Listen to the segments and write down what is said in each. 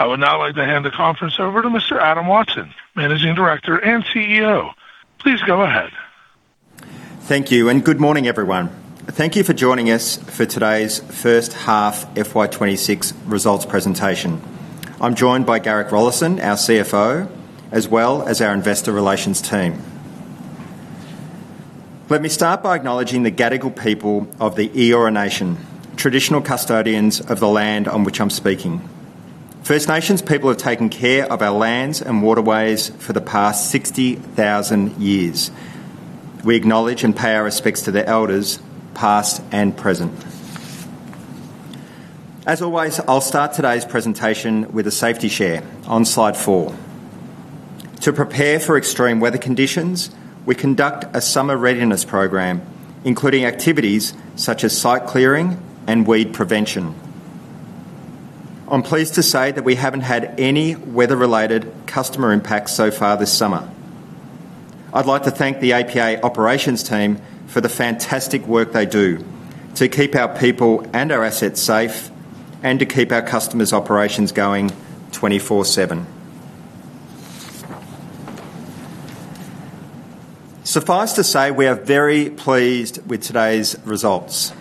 I would now like to hand the conference over to Mr. Adam Watson, Managing Director and CEO. Please go ahead. Thank you, and good morning, everyone. Thank you for joining us for today's first half FY 2026 results presentation. I'm joined by Garrick Rollason, our CFO, as well as our investor relations team. Let me start by acknowledging the Gadigal people of the Eora Nation, traditional custodians of the land on which I'm speaking. First Nations people have taken care of our lands and waterways for the past 60,000 years. We acknowledge and pay our respects to the elders, past and present. As always, I'll start today's presentation with a safety share on slide four. To prepare for extreme weather conditions, we conduct a summer readiness program, including activities such as site clearing and weed prevention. I'm pleased to say that we haven't had any weather-related customer impacts so far this summer. I'd like to thank the APA operations team for the fantastic work they do to keep our people and our assets safe and to keep our customers' operations going 24/7. Suffice to say, we are very pleased with today's results.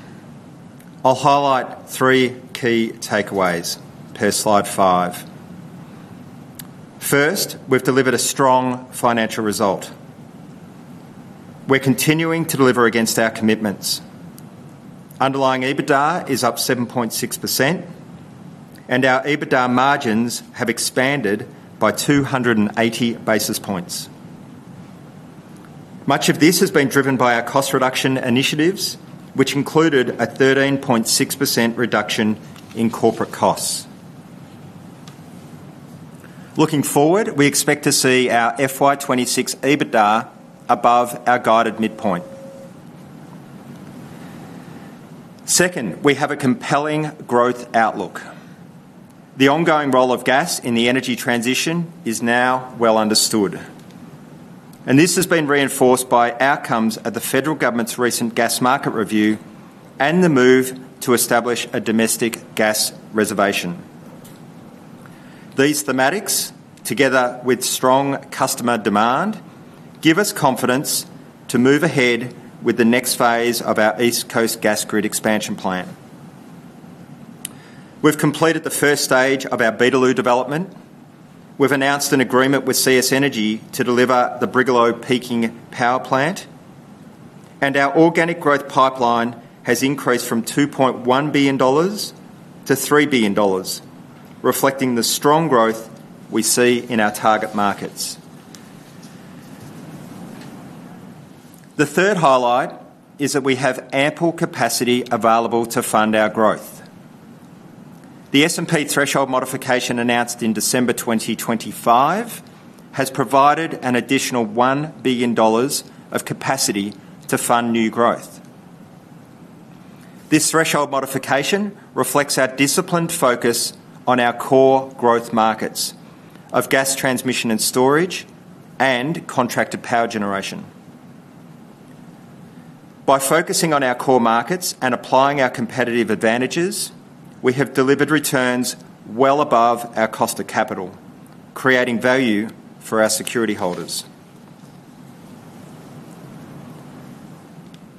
I'll highlight three key takeaways per slide five First, we've delivered a strong financial result. We're continuing to deliver against our commitments. Underlying EBITDA is up 7.6%, and our EBITDA margins have expanded by 280 basis points. Much of this has been driven by our cost reduction initiatives, which included a 13.6% reduction in corporate costs. Looking forward, we expect to see our FY 2026 EBITDA above our guided midpoint. Second, we have a compelling growth outlook. The ongoing role of gas in the energy transition is now well understood, and this has been reinforced by outcomes at the federal government's recent gas market review and the move to establish a domestic gas reservation. These thematics, together with strong customer demand, give us confidence to move ahead with the next phase of our East Coast Gas Grid expansion plan. We've completed the first stage of our Beetaloo development. We've announced an agreement with CS Energy to deliver the Brigalow Peaking Power Plant, and our organic growth pipeline has increased from 2.1 billion dollars to 3 billion dollars, reflecting the strong growth we see in our target markets. The third highlight is that we have ample capacity available to fund our growth. The S&P threshold modification, announced in December 2025, has provided an additional 1 billion dollars of capacity to fund new growth. This threshold modification reflects our disciplined focus on our core growth markets of gas transmission and storage and contracted power generation. By focusing on our core markets and applying our competitive advantages, we have delivered returns well above our cost of capital, creating value for our security holders.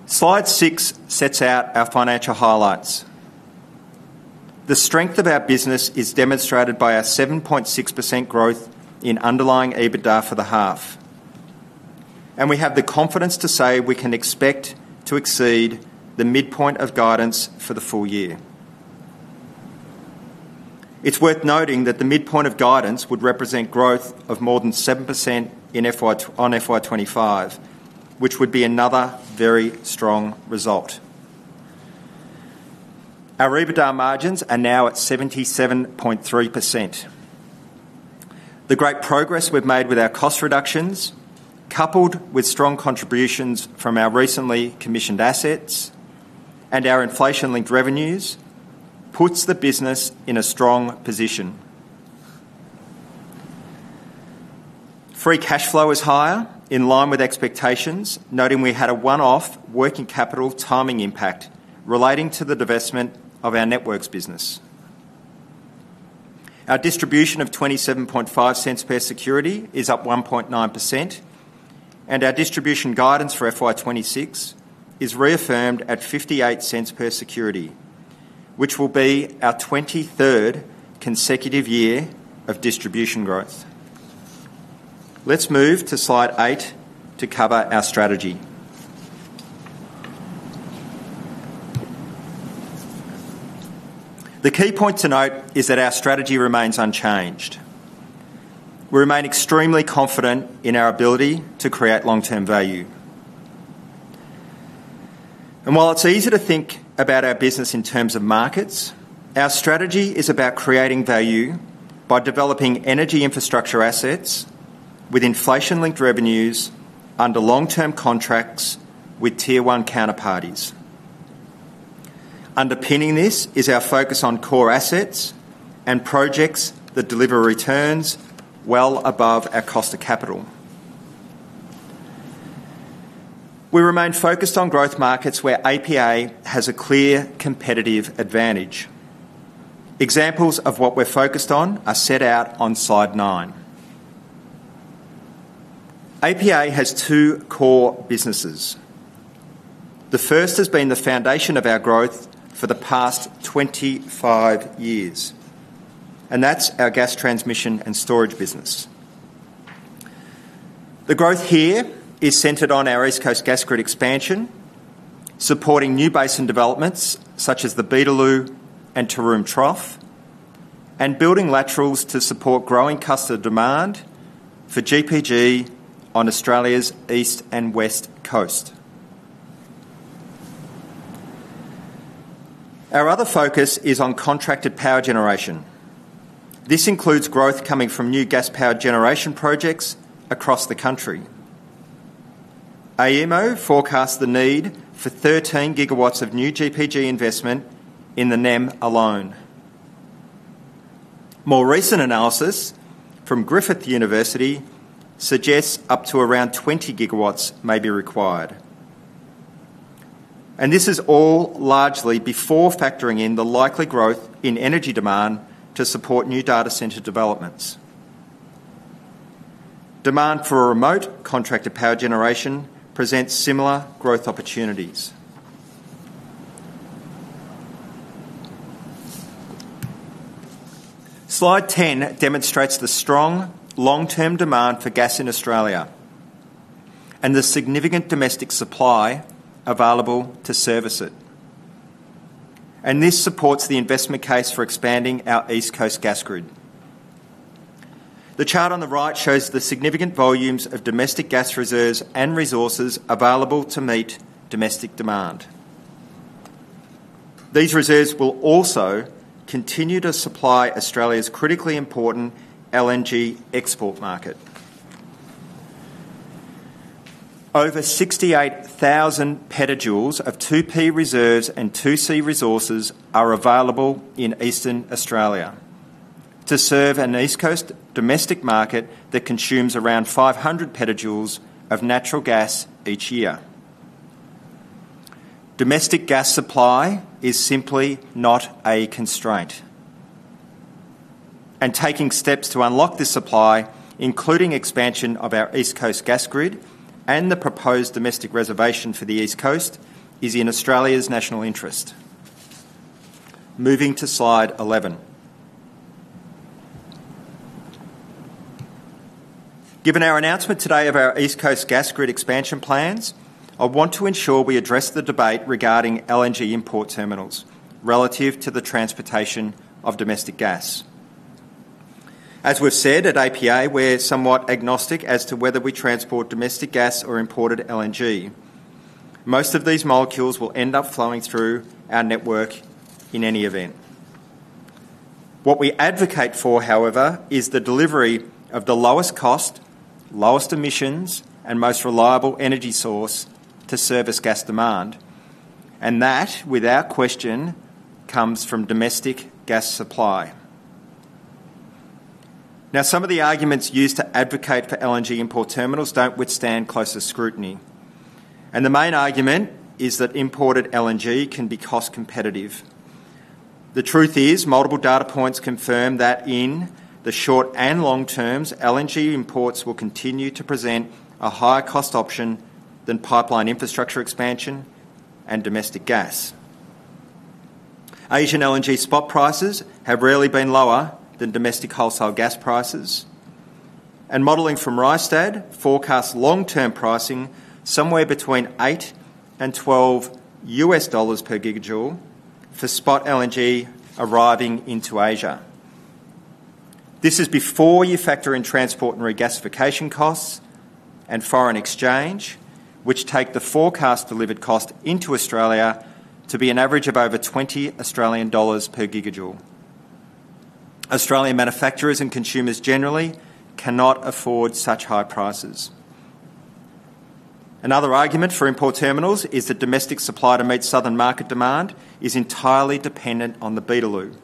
Slide six sets out our financial highlights. The strength of our business is demonstrated by our 7.6% growth in underlying EBITDA for the half, and we have the confidence to say we can expect to exceed the midpoint of guidance for the full year. It's worth noting that the midpoint of guidance would represent growth of more than 7% in FY 2025, which would be another very strong result. Our EBITDA margins are now at 77.3%. The great progress we've made with our cost reductions, coupled with strong contributions from our recently commissioned assets and our inflation-linked revenues, puts the business in a strong position. Free cash flow is higher, in line with expectations, noting we had a one-off working capital timing impact relating to the divestment of our networks business. Our distribution of 0.275 per security is up 1.9%, and our distribution guidance for FY 2026 is reaffirmed at 0.58 per security, which will be our 23rd consecutive year of distribution growth. Let's move to slide eight to cover our strategy. The key point to note is that our strategy remains unchanged. We remain extremely confident in our ability to create long-term value. While it's easy to think about our business in terms of markets, our strategy is about creating value by developing energy infrastructure assets with inflation-linked revenues under long-term contracts with tier-one counterparties. Underpinning this is our focus on core assets and projects that deliver returns well above our cost of capital. We remain focused on growth markets where APA has a clear competitive advantage. Examples of what we're focused on are set out on slide nine. APA has two core businesses. The first has been the foundation of our growth for the past 25 years, and that's our gas transmission and storage business. The growth here is centered on our East Coast Gas Grid expansion, supporting new basin developments such as the Beetaloo and Taroom Trough, and building laterals to support growing customer demand for GPG on Australia's east and west coast. Our other focus is on contracted power generation. This includes growth coming from new gas-powered generation projects across the country. AEMO forecasts the need for 13 gigawatts of new GPG investment in the NEM alone. More recent analysis from Griffith University suggests up to around 20 gigawatts may be required. This is all largely before factoring in the likely growth in energy demand to support new data center developments. Demand for a remote contracted power generation presents similar growth opportunities. Slide 10 demonstrates the strong long-term demand for gas in Australia and the significant domestic supply available to service it. This supports the investment case for expanding our East Coast Gas Grid. The chart on the right shows the significant volumes of domestic gas reserves and resources available to meet domestic demand. These reserves will also continue to supply Australia's critically important LNG export market. Over 68,000 petajoules of 2P reserves and 2C resources are available in Eastern Australia to serve an East Coast domestic market that consumes around 500 petajoules of natural gas each year. Domestic gas supply is simply not a constraint. Taking steps to unlock this supply, including expansion of our East Coast Gas Grid and the proposed domestic reservation for the East Coast, is in Australia's national interest. Moving to slide 11. Given our announcement today of our East Coast Gas Grid expansion plans, I want to ensure we address the debate regarding LNG import terminals relative to the transportation of domestic gas. As we've said, at APA, we're somewhat agnostic as to whether we transport domestic gas or imported LNG. Most of these molecules will end up flowing through our network in any event. What we advocate for, however, is the delivery of the lowest cost, lowest emissions, and most reliable energy source to service gas demand, and that, without question, comes from domestic gas supply. Now, some of the arguments used to advocate for LNG import terminals don't withstand closer scrutiny, and the main argument is that imported LNG can be cost competitive. The truth is, multiple data points confirm that in the short and long terms, LNG imports will continue to present a higher cost option than pipeline infrastructure expansion and domestic gas. Asian LNG spot prices have rarely been lower than domestic wholesale gas prices, and modeling from Rystad forecasts long-term pricing somewhere between $8 and $12 per gigajoule for spot LNG arriving into Asia. This is before you factor in transport and regasification costs and foreign exchange, which take the forecast delivered cost into Australia to be an average of over 20 Australian dollars per gigajoule. Australian manufacturers and consumers generally cannot afford such high prices. Another argument for import terminals is that domestic supply to meet southern market demand is entirely dependent on the Beetaloo.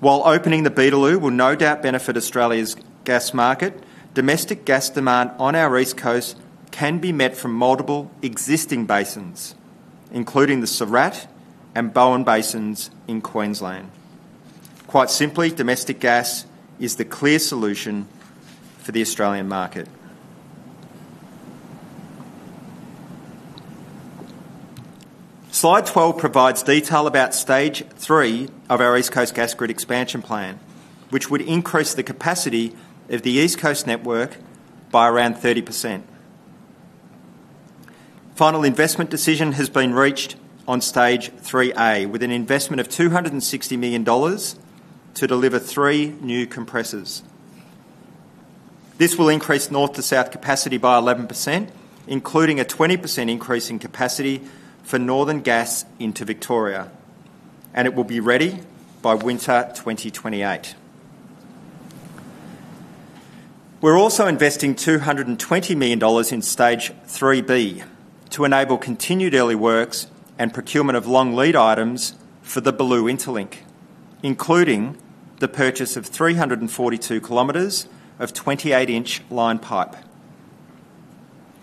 While opening the Beetaloo will no doubt benefit Australia's gas market, domestic gas demand on our East Coast can be met from multiple existing basins, including the Surat and Bowen Basins in Queensland. Quite simply, domestic gas is the clear solution for the Australian market. Slide 12 provides detail about stage three of our East Coast Gas Grid Expansion plan, which would increase the capacity of the East Coast network by around 30%. Final investment decision has been reached on Stage Three A, with an investment of 260 million dollars to deliver three new compressors. This will increase north to south capacity by 11%, including a 20% increase in capacity for northern gas into Victoria, and it will be ready by winter 2028. We're also investing 220 million dollars in Stage Three B to enable continued early works and procurement of long lead items for 3B Interlink, including the purchase of 342 kilometers of 28-inch line pipe.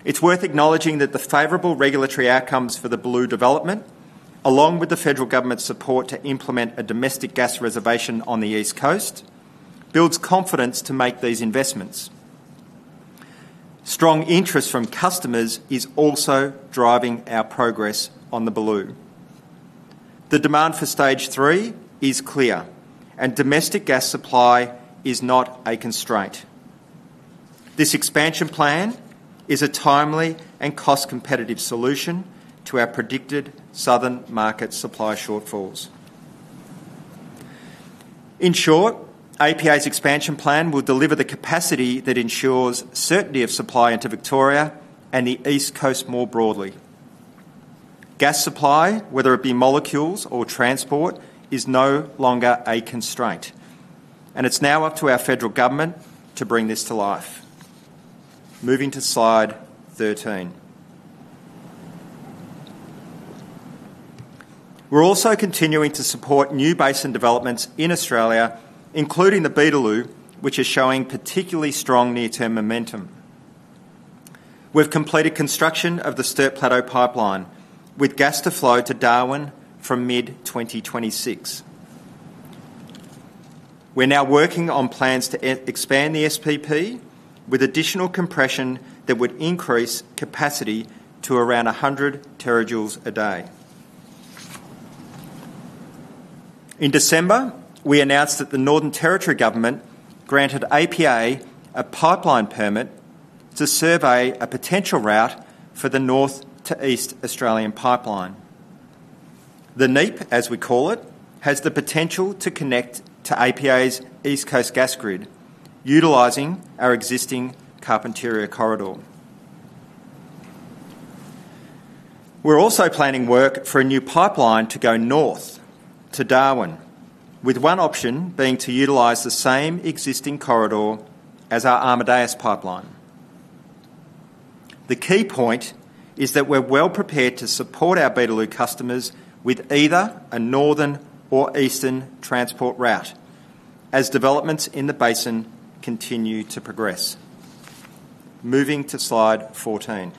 It's worth acknowledging that the favorable regulatory outcomes for 3B development, along with the federal government's support to implement a domestic gas reservation on the East Coast, builds confidence to make these investments. Strong interest from customers is also driving our progress on 3B. The demand for Stage Three is clear, and domestic gas supply is not a constraint. This expansion plan is a timely and cost-competitive solution to our predicted southern market supply shortfalls. In short, APA's expansion plan will deliver the capacity that ensures certainty of supply into Victoria and the East Coast more broadly. Gas supply, whether it be molecules or transport, is no longer a constraint, and it's now up to our federal government to bring this to life. Moving to Slide 13. We're also continuing to support new basin developments in Australia, including the Beetaloo, which is showing particularly strong near-term momentum. We've completed construction of the Sturt Plateau Pipeline, with gas to flow to Darwin from mid-2026. We're now working on plans to expand the SPP with additional compression that would increase capacity to around 100 terajoules a day. In December, we announced that the Northern Territory Government granted APA a pipeline permit to survey a potential route for the North to East Australian Pipeline. The NEAP, as we call it, has the potential to connect to APA's East Coast Gas Grid, utilizing our existing Carpentaria Corridor. We're also planning work for a new pipeline to go north to Darwin, with one option being to utilize the same existing corridor as our Amadeus Pipeline. The key point is that we're well-prepared to support our Beetaloo customers with either a northern or eastern transport route as developments in the basin continue to progress. Moving to Slide 14.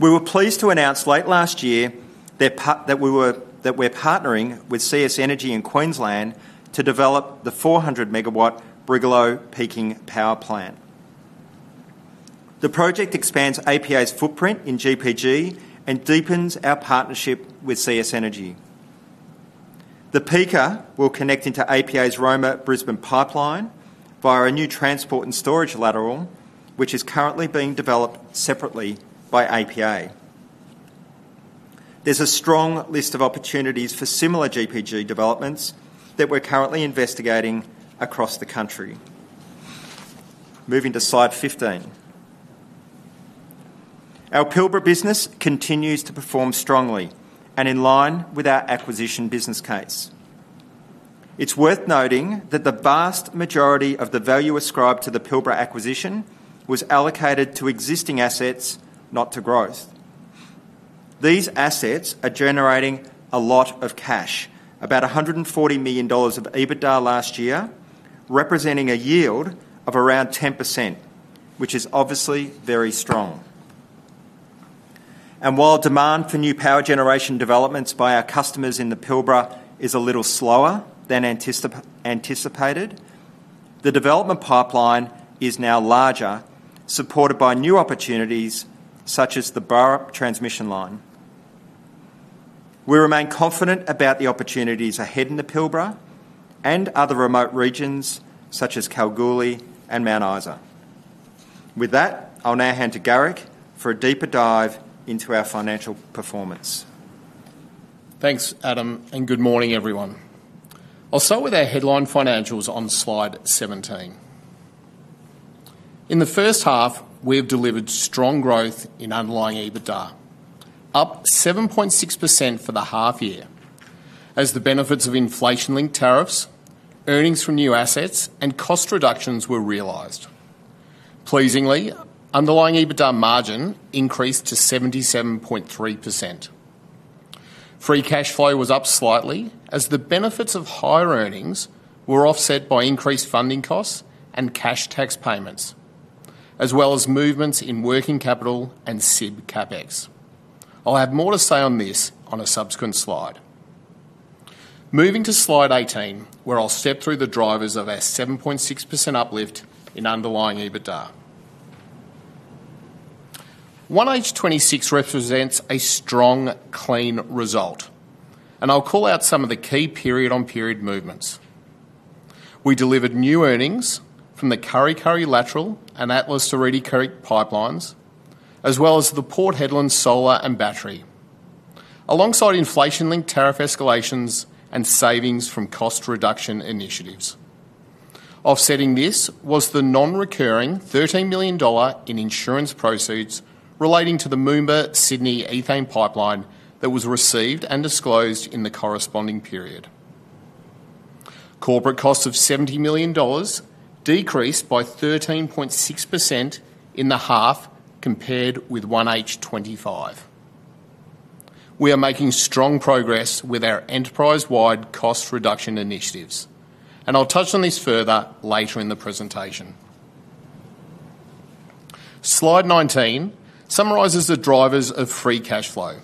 We were pleased to announce late last year that we're partnering with CS Energy in Queensland to develop the 400-megawatt Brigalow Peaking Power Plant. The project expands APA's footprint in GPG and deepens our partnership with CS Energy. The peaker will connect into APA's Roma-Brisbane Pipeline via a new transport and storage lateral, which is currently being developed separately by APA. There's a strong list of opportunities for similar GPG developments that we're currently investigating across the country. Moving to Slide 15. Our Pilbara business continues to perform strongly and in line with our acquisition business case. It's worth noting that the vast majority of the value ascribed to the Pilbara acquisition was allocated to existing assets, not to growth. These assets are generating a lot of cash, about 140 million dollars of EBITDA last year, representing a yield of around 10%, which is obviously very strong. And while demand for new power generation developments by our customers in the Pilbara is a little slower than anticipated, the development pipeline is now larger, supported by new opportunities such as the Barrow Transmission Line. We remain confident about the opportunities ahead in the Pilbara and other remote regions such as Kalgoorlie and Mount Isa. With that, I'll now hand to Garrick for a deeper dive into our financial performance. Thanks, Adam, and good morning, everyone. I'll start with our headline financials on Slide 17. In the first half, we have delivered strong growth in underlying EBITDA, up 7.6% for the half year, as the benefits of inflation-linked tariffs, earnings from new assets, and cost reductions were realized. Pleasingly, underlying EBITDA margin increased to 77.3%. Free cash flow was up slightly as the benefits of higher earnings were offset by increased funding costs and cash tax payments, as well as movements in working capital and SIB CapEx. I'll have more to say on this on a subsequent slide. Moving to Slide 18, where I'll step through the drivers of our 7.6% uplift in underlying EBITDA. 1H 2026 represents a strong, clean result, and I'll call out some of the key period-on-period movements. We delivered new earnings from the Kurri Kurri Lateral and Atlas to Reedy Creek pipelines, as well as the Port Hedland solar and battery, alongside inflation-linked tariff escalations and savings from cost reduction initiatives. Offsetting this was the non-recurring 13 million dollar in insurance proceeds relating to the Moomba-Sydney Ethane Pipeline that was received and disclosed in the corresponding period. Corporate costs of 70 million dollars decreased by 13.6% in the half compared with 1H25. We are making strong progress with our enterprise-wide cost reduction initiatives, and I'll touch on this further later in the presentation. Slide 19 summarizes the drivers of free cash flow,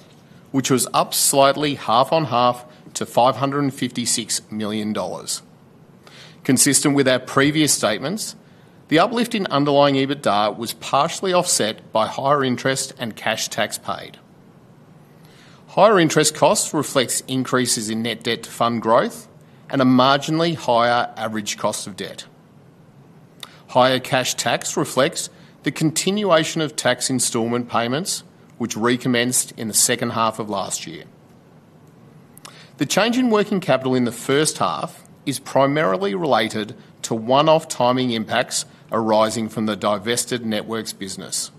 which was up slightly half on half to 556 million dollars. Consistent with our previous statements, the uplift in underlying EBITDA was partially offset by higher interest and cash tax paid. Higher interest costs reflects increases in net debt to fund growth and a marginally higher average cost of debt. Higher cash tax reflects the continuation of tax installment payments, which recommenced in the second half of last year. The change in working capital in the first half is primarily related to one-off timing impacts arising from the divested networks business.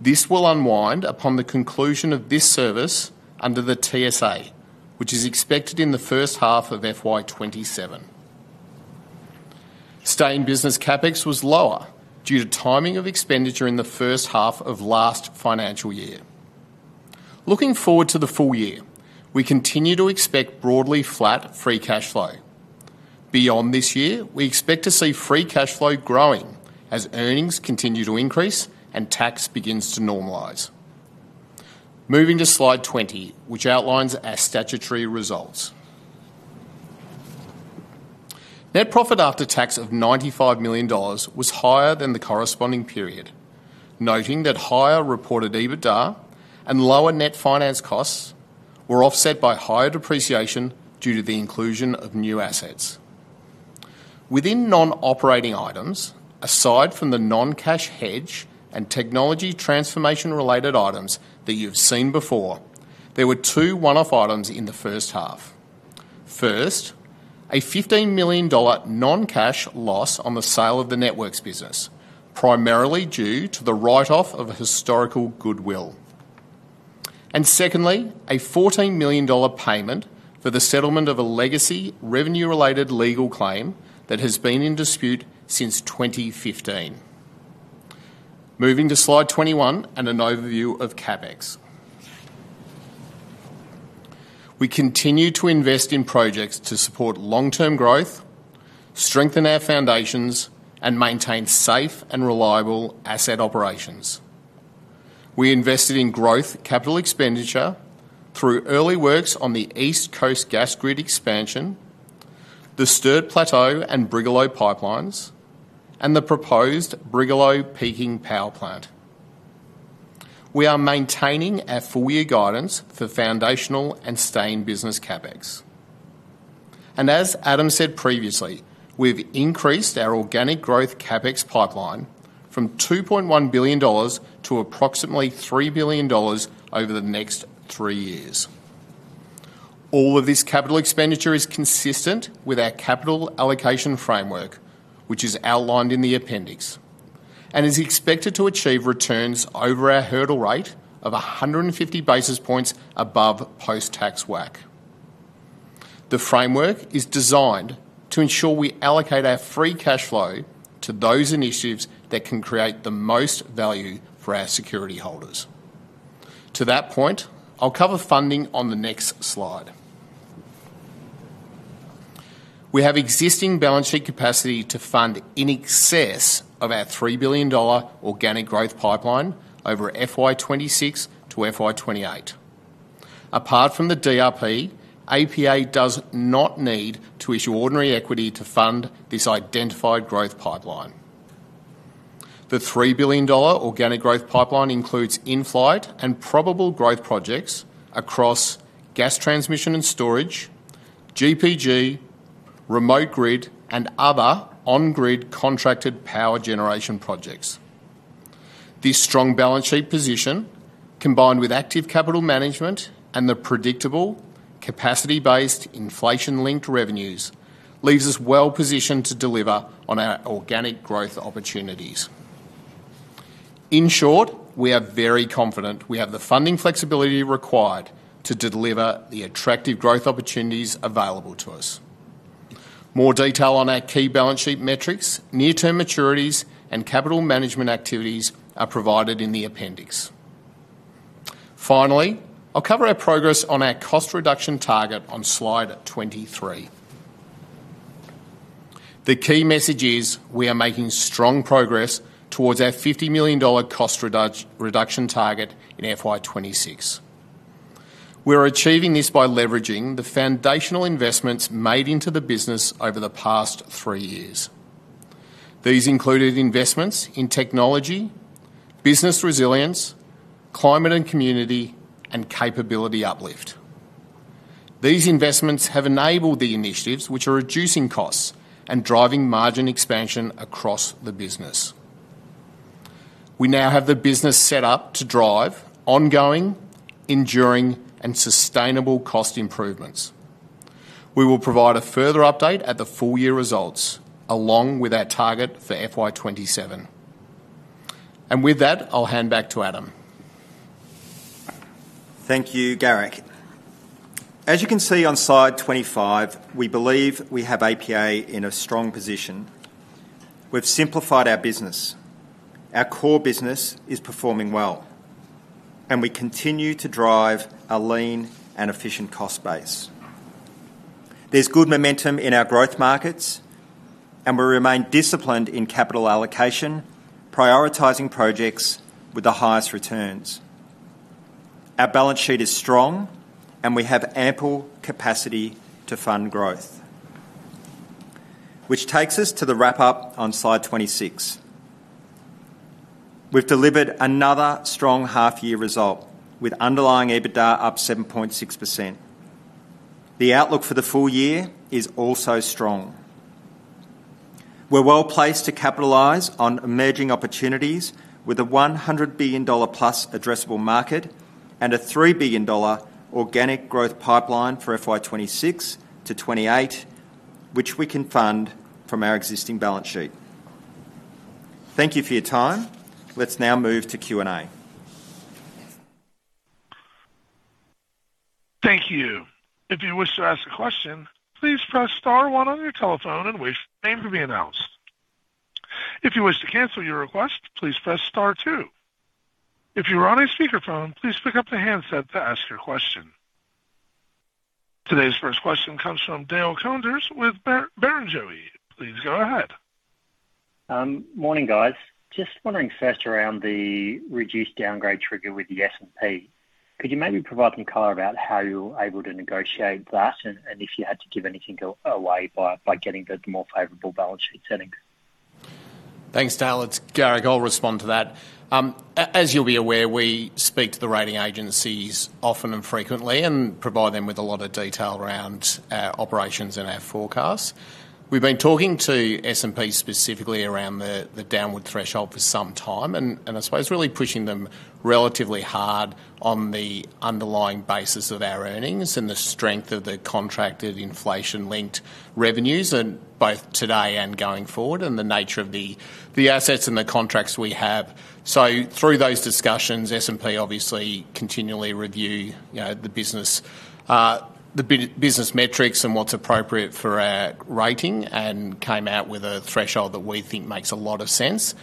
This will unwind upon the conclusion of this service under the TSA, which is expected in the first half of FY 2027. Stay-in-business CapEx was lower due to timing of expenditure in the first half of last financial year. Looking forward to the full year, we continue to expect broadly flat free cash flow. Beyond this year, we expect to see free cash flow growing as earnings continue to increase and tax begins to normalize. Moving to slide 20, which outlines our statutory results. Net profit after tax of 95 million dollars was higher than the corresponding period, noting that higher reported EBITDA and lower net finance costs were offset by higher depreciation due to the inclusion of new assets. Within non-operating items, aside from the non-cash hedge and technology transformation-related items that you've seen before, there were two one-off items in the first half. First, a 15 million dollar non-cash loss on the sale of the networks business, primarily due to the write-off of historical goodwill. And secondly, a 14 million dollar payment for the settlement of a legacy revenue-related legal claim that has been in dispute since 2015. Moving to slide 21 and an overview of CapEx. We continue to invest in projects to support long-term growth, strengthen our foundations, and maintain safe and reliable asset operations. We invested in growth capital expenditure through early works on the East Coast Gas Grid Expansion, the Sturt Plateau and Brigalow pipelines, and the proposed Brigalow Peaking Power Plant. We are maintaining our full year guidance for foundational and sustained business CapEx. And as Adam said previously, we've increased our organic growth CapEx pipeline from 2.1 billion dollars to approximately 3 billion dollars over the next three years. All of this capital expenditure is consistent with our capital allocation framework, which is outlined in the appendix, and is expected to achieve returns over our hurdle rate of 150 basis points above post-tax WACC. The framework is designed to ensure we allocate our free cash flow to those initiatives that can create the most value for our security holders. To that point, I'll cover funding on the next slide. We have existing balance sheet capacity to fund in excess of our 3 billion dollar organic growth pipeline over FY 2026 to FY 2028. Apart from the DRP, APA does not need to issue ordinary equity to fund this identified growth pipeline. The 3 billion dollar organic growth pipeline includes in-flight and probable growth projects across gas transmission and storage, GPG, remote grid, and other on-grid contracted power generation projects. This strong balance sheet position, combined with active capital management and the predictable capacity-based inflation-linked revenues, leaves us well positioned to deliver on our organic growth opportunities. In short, we are very confident we have the funding flexibility required to deliver the attractive growth opportunities available to us. More detail on our key balance sheet metrics, near-term maturities, and capital management activities are provided in the appendix. Finally, I'll cover our progress on our cost reduction target on slide 23. The key message is we are making strong progress towards our 50 million dollar cost reduction target in FY 2026. We are achieving this by leveraging the foundational investments made into the business over the past three years. These included investments in technology, business resilience, climate and community, and capability uplift. These investments have enabled the initiatives which are reducing costs and driving margin expansion across the business. We now have the business set up to drive ongoing, enduring, and sustainable cost improvements. We will provide a further update at the full year results, along with our target for FY 2027. And with that, I'll hand back to Adam.... Thank you, Garrick. As you can see on slide 25, we believe we have APA in a strong position. We've simplified our business. Our core business is performing well, and we continue to drive a lean and efficient cost base. There's good momentum in our growth markets, and we remain disciplined in capital allocation, prioritizing projects with the highest returns. Our balance sheet is strong, and we have ample capacity to fund growth. Which takes us to the wrap-up on slide 26. We've delivered another strong half-year result, with underlying EBITDA up 7.6%. The outlook for the full year is also strong. We're well-placed to capitalize on emerging opportunities with a 100 billion dollar+ addressable market and a 3 billion dollar organic growth pipeline for FY 2026-2028, which we can fund from our existing balance sheet. Thank you for your time. Let's now move to Q&A. Thank you. If you wish to ask a question, please press star one on your telephone and wait for your name to be announced. If you wish to cancel your request, please press star two. If you are on a speakerphone, please pick up the handset to ask your question. Today's first question comes from Dale Koenders with Barrenjoey. Please go ahead. Morning, guys. Just wondering first around the reduced downgrade trigger with the S&P. Could you maybe provide some color about how you were able to negotiate that, and if you had to give anything away by getting the more favorable balance sheet settings? Thanks, Dale. It's Garrick. I'll respond to that. As you'll be aware, we speak to the rating agencies often and frequently and provide them with a lot of detail around our operations and our forecasts. We've been talking to S&P specifically around the downward threshold for some time, and I suppose really pushing them relatively hard on the underlying basis of our earnings and the strength of the contracted inflation-linked revenues, and both today and going forward, and the nature of the assets and the contracts we have. So through those discussions, S&P obviously continually review, you know, the business, the business metrics and what's appropriate for our rating, and came out with a threshold that we think makes a lot of sense.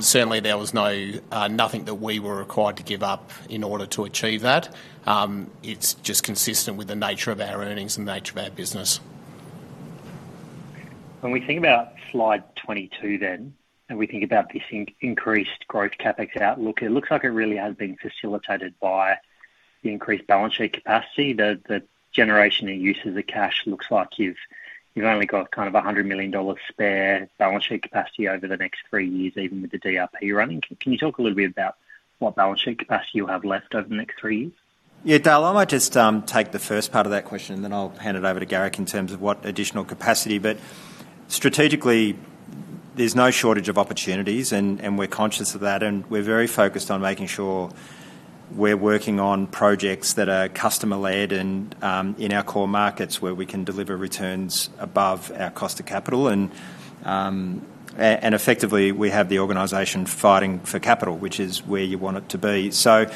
Certainly, there was no nothing that we were required to give up in order to achieve that. It's just consistent with the nature of our earnings and the nature of our business. When we think about slide 22 then, and we think about this increased growth CapEx outlook, it looks like it really has been facilitated by the increased balance sheet capacity. The generation and uses of cash looks like you've only got kind of 100 million dollars spare balance sheet capacity over the next three years, even with the DRP running. Can you talk a little bit about what balance sheet capacity you have left over the next three years? Yeah, Dale, I might just take the first part of that question, and then I'll hand it over to Garrick in terms of what additional capacity. But strategically, there's no shortage of opportunities, and we're conscious of that, and we're very focused on making sure we're working on projects that are customer-led and in our core markets, where we can deliver returns above our cost of capital. And effectively, we have the organization fighting for capital, which is where you want it to be. So,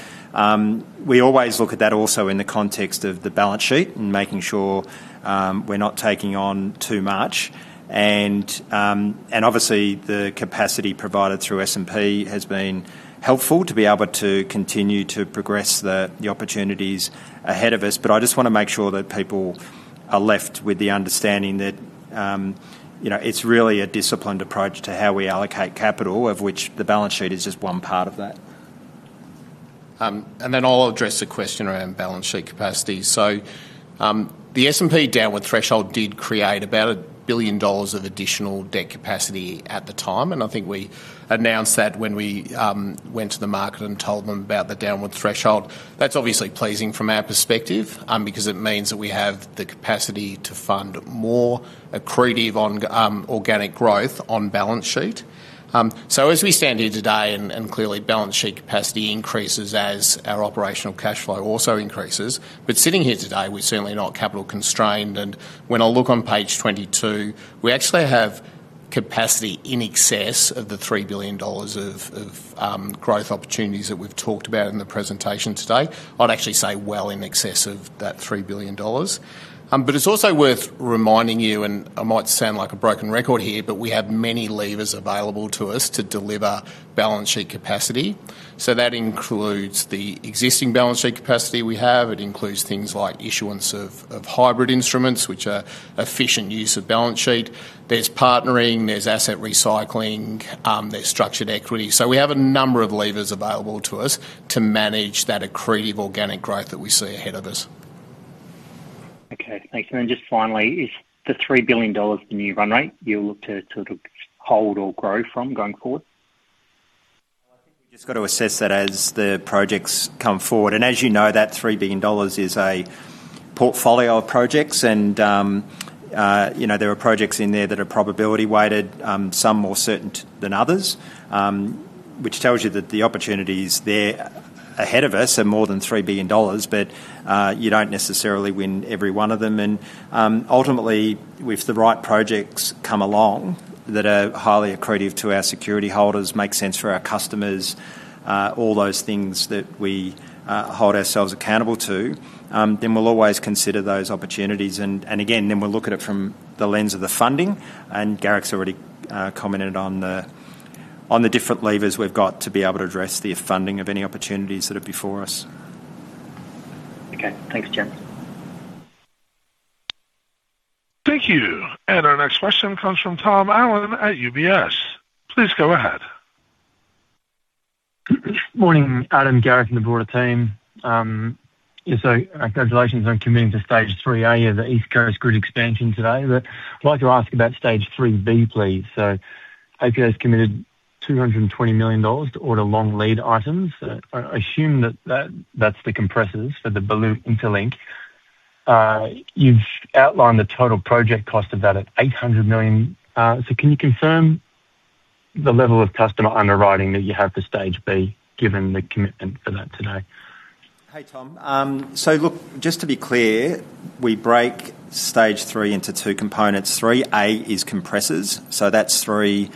we always look at that also in the context of the balance sheet and making sure we're not taking on too much. And obviously, the capacity provided through S&P has been helpful to be able to continue to progress the opportunities ahead of us. I just want to make sure that people are left with the understanding that, you know, it's really a disciplined approach to how we allocate capital, of which the balance sheet is just one part of that. Then I'll address the question around balance sheet capacity. The S&P downward threshold did create about 1 billion dollars of additional debt capacity at the time, and I think we announced that when we went to the market and told them about the downward threshold. That's obviously pleasing from our perspective, because it means that we have the capacity to fund more accretive organic growth on balance sheet. As we stand here today, and clearly balance sheet capacity increases as our operational cash flow also increases, but sitting here today, we're certainly not capital constrained. When I look on page 22, we actually have capacity in excess of the 3 billion dollars of growth opportunities that we've talked about in the presentation today. I'd actually say well in excess of that 3 billion dollars. But it's also worth reminding you, and I might sound like a broken record here, but we have many levers available to us to deliver balance sheet capacity. So that includes the existing balance sheet capacity we have. It includes things like issuance of, of hybrid instruments, which are efficient use of balance sheet. There's partnering, there's asset recycling, there's structured equity. So we have a number of levers available to us to manage that accretive organic growth that we see ahead of us. Okay, thanks. And then just finally, is the 3 billion dollars the new run rate you look to sort of hold or grow from going forward? I think we've just got to assess that as the projects come forward. As you know, that 3 billion dollars is a portfolio of projects and, you know, there are projects in there that are probability weighted, some more certain than others, which tells you that the opportunities there ahead of us are more than 3 billion dollars, but you don't necessarily win every one of them, and, ultimately, if the right projects come along that are highly accretive to our security holders, make sense for our customers, all those things that we, hold ourselves accountable to, then we'll always consider those opportunities. And again, then we'll look at it from the lens of the funding, and Garrick's already commented on the different levers we've got to be able to address the funding of any opportunities that are before us. Okay. Thanks, Jim. Thank you. And our next question comes from Tom Allen at UBS. Please go ahead. Morning, Adam, Garrick, and the broader team. Yeah, so congratulations on committing to Stage Three A of the East Coast Gas Grid expansion today. But I'd like to ask about Stage Three B, please. So APA's committed 220 million dollars to order long lead items. I assume that that's the compressors for the Blue Interlink. You've outlined the total project cost of that at 800 million. So can you confirm the level of customer underwriting that you have for Stage B, given the commitment for that today? Hey, Tom. So look, just to be clear, we break Stage Three into two components. Three A is compressors, so that's three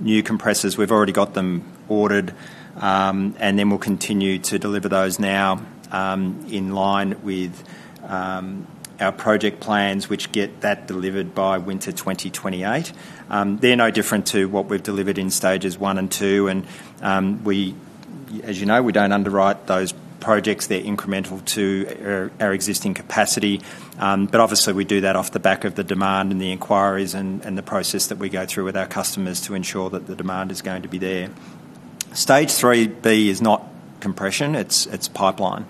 new compressors. We've already got them ordered, and then we'll continue to deliver those now, in line with our project plans, which get that delivered by winter 2028. They're no different to what we've delivered in Stages One and Two, and, we, as you know, we don't underwrite those projects. They're incremental to our, our existing capacity, but obviously, we do that off the back of the demand and the inquiries and, and the process that we go through with our customers to ensure that the demand is going to be there. Stage Three B is not compression, it's, it's pipeline.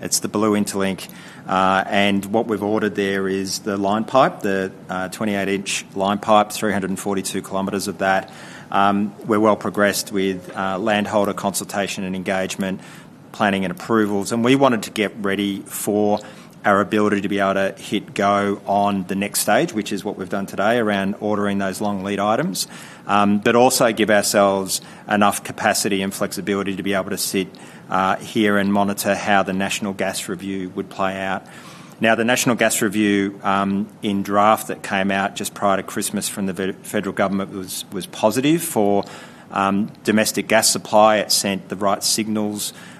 It's the Blue Interlink, and what we've ordered there is the line pipe, the 28-inch line pipe, 342 kilometers of that. We're well progressed with landholder consultation and engagement, planning and approvals, and we wanted to get ready for our ability to be able to hit go on the next stage, which is what we've done today around ordering those long lead items, but also give ourselves enough capacity and flexibility to be able to sit here and monitor how the National Gas Review would play out. Now, the National Gas Review in draft that came out just prior to Christmas from the Federal Government was positive for domestic gas supply. It sent the right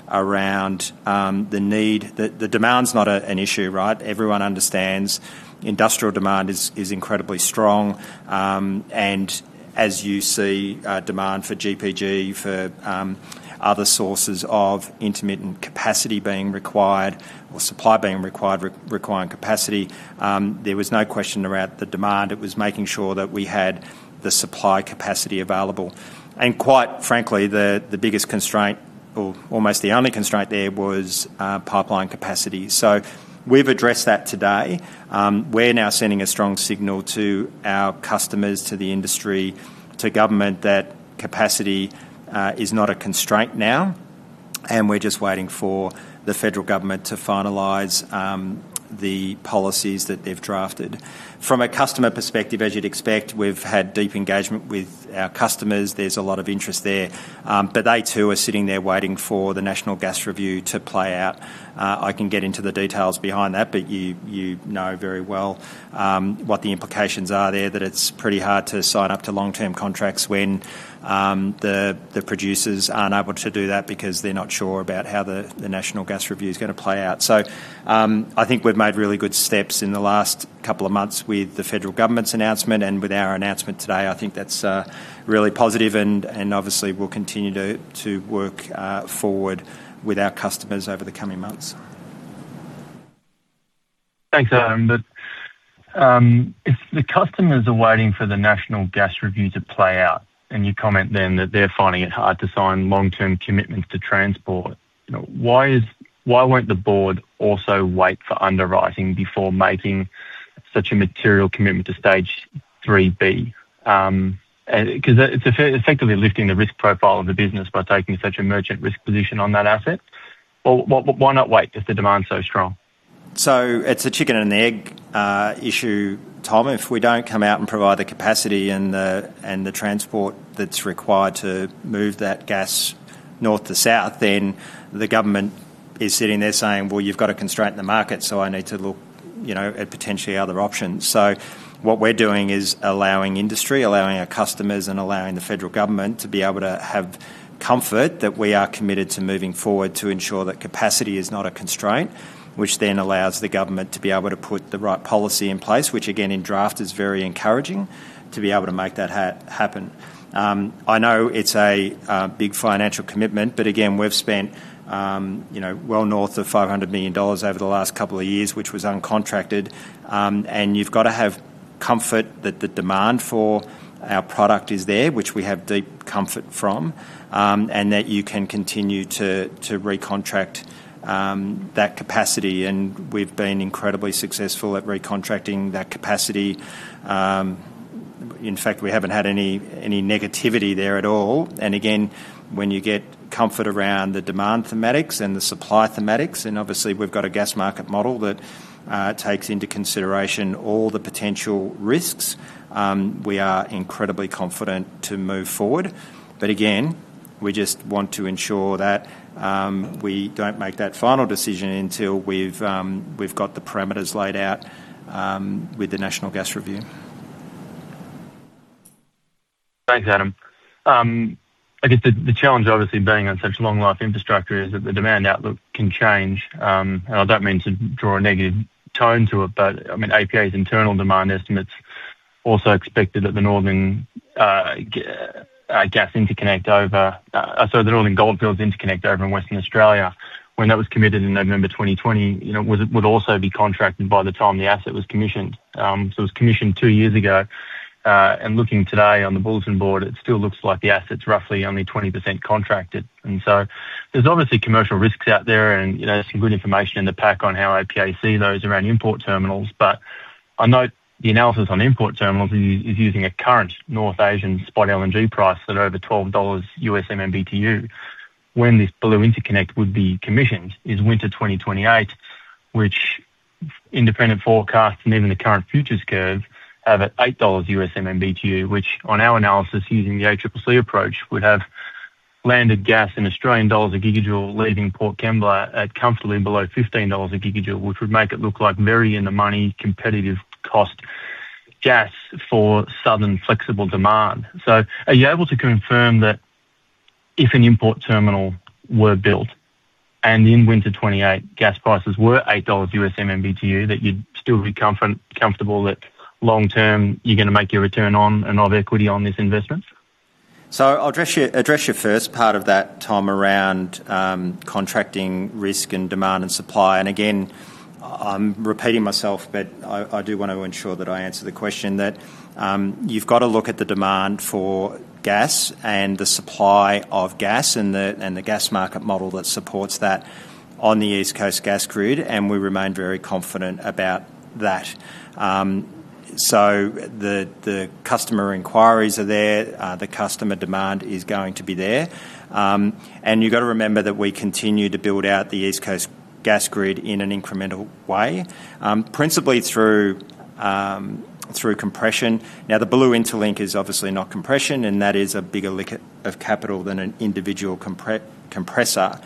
signals around the need. The demand's not an issue, right? Everyone understands industrial demand is incredibly strong, and as you see, demand for GPG, for other sources of intermittent capacity being required or supply being required, requiring capacity. There was no question about the demand. It was making sure that we had the supply capacity available. Quite frankly, the biggest constraint, or almost the only constraint there, was pipeline capacity. We've addressed that today. We're now sending a strong signal to our customers, to the industry, to government, that capacity is not a constraint now, and we're just waiting for the federal government to finalize the policies that they've drafted. From a customer perspective, as you'd expect, we've had deep engagement with our customers. There's a lot of interest there, but they, too, are sitting there waiting for the National Gas Review to play out. I can get into the details behind that, but you know very well what the implications are there, that it's pretty hard to sign up to long-term contracts when the producers aren't able to do that because they're not sure about how the National Gas Review is gonna play out. So, I think we've made really good steps in the last couple of months with the federal government's announcement and with our announcement today. I think that's really positive and obviously, we'll continue to work forward with our customers over the coming months. Thanks, Adam. But if the customers are waiting for the National Gas Review to play out, and you comment then that they're finding it hard to sign long-term commitments to transport, you know, why won't the board also wait for underwriting before making such a material commitment to Stage Three B? And 'cause it's effectively lifting the risk profile of the business by taking such a merchant risk position on that asset. Well, why not wait if the demand is so strong? So it's a chicken and an egg issue, Tom. If we don't come out and provide the capacity and the, and the transport that's required to move that gas north to south, then the government is sitting there saying, "Well, you've got to constraint the market, so I need to look, you know, at potentially other options." So what we're doing is allowing industry, allowing our customers, and allowing the federal government to be able to have comfort that we are committed to moving forward to ensure that capacity is not a constraint, which then allows the government to be able to put the right policy in place, which again, in draft, is very encouraging to be able to make that happen. I know it's a big financial commitment, but again, we've spent, you know, well north of 500 million dollars over the last couple of years, which was uncontracted. And you've got to have comfort that the demand for our product is there, which we have deep comfort from, and that you can continue to recontract that capacity, and we've been incredibly successful at recontracting that capacity. In fact, we haven't had any negativity there at all. And again, when you get comfort around the demand thematics and the supply thematics, and obviously, we've got a gas market model that takes into consideration all the potential risks, we are incredibly confident to move forward. But again-... We just want to ensure that we don't make that final decision until we've got the parameters laid out with the National Gas Review. Thanks, Adam. I guess the challenge obviously being on such long-life infrastructure is that the demand outlook can change. And I don't mean to draw a negative tone to it, but I mean, APA's internal demand estimates also expected that the northern gas interconnect over... So the Northern Goldfields Interconnect over in Western Australia, when that was committed in November 2020, you know, would also be contracted by the time the asset was commissioned. So it was commissioned two years ago, and looking today on the bulletin board, it still looks like the asset's roughly only 20% contracted. And so there's obviously commercial risks out there, and you know, there's some good information in the pack on how APA see those around import terminals. I note the analysis on import terminals is using a current North Asian spot LNG price at over $12 MMBtu. When this Blue Interconnect would be commissioned is winter 2028, which independent forecasts and even the current futures curve have at $8 MMBtu, which on our analysis, using the ACCC approach, would have landed gas in AUD a gigajoule leaving Port Kembla at comfortably below 15 dollars a gigajoule, which would make it look like very in the money, competitive cost gas for southern flexible demand. Are you able to confirm that if an import terminal were built and in winter 2028, gas prices were $8 MMBtu, that you'd still be comfortable that long term, you're going to make your return on and of equity on this investment? So I'll address you, address your first part of that, Tom, around contracting risk and demand and supply. And again, I'm repeating myself, but I, I do want to ensure that I answer the question, that you've got to look at the demand for gas and the supply of gas and the, and the gas market model that supports that on the East Coast Gas Grid, and we remain very confident about that. So the customer inquiries are there, the customer demand is going to be there. And you've got to remember that we continue to build out the East Coast Gas Grid in an incremental way, principally through compression. Now, the Blue Interlink is obviously not compression, and that is a bigger lick of capital than an individual compressor.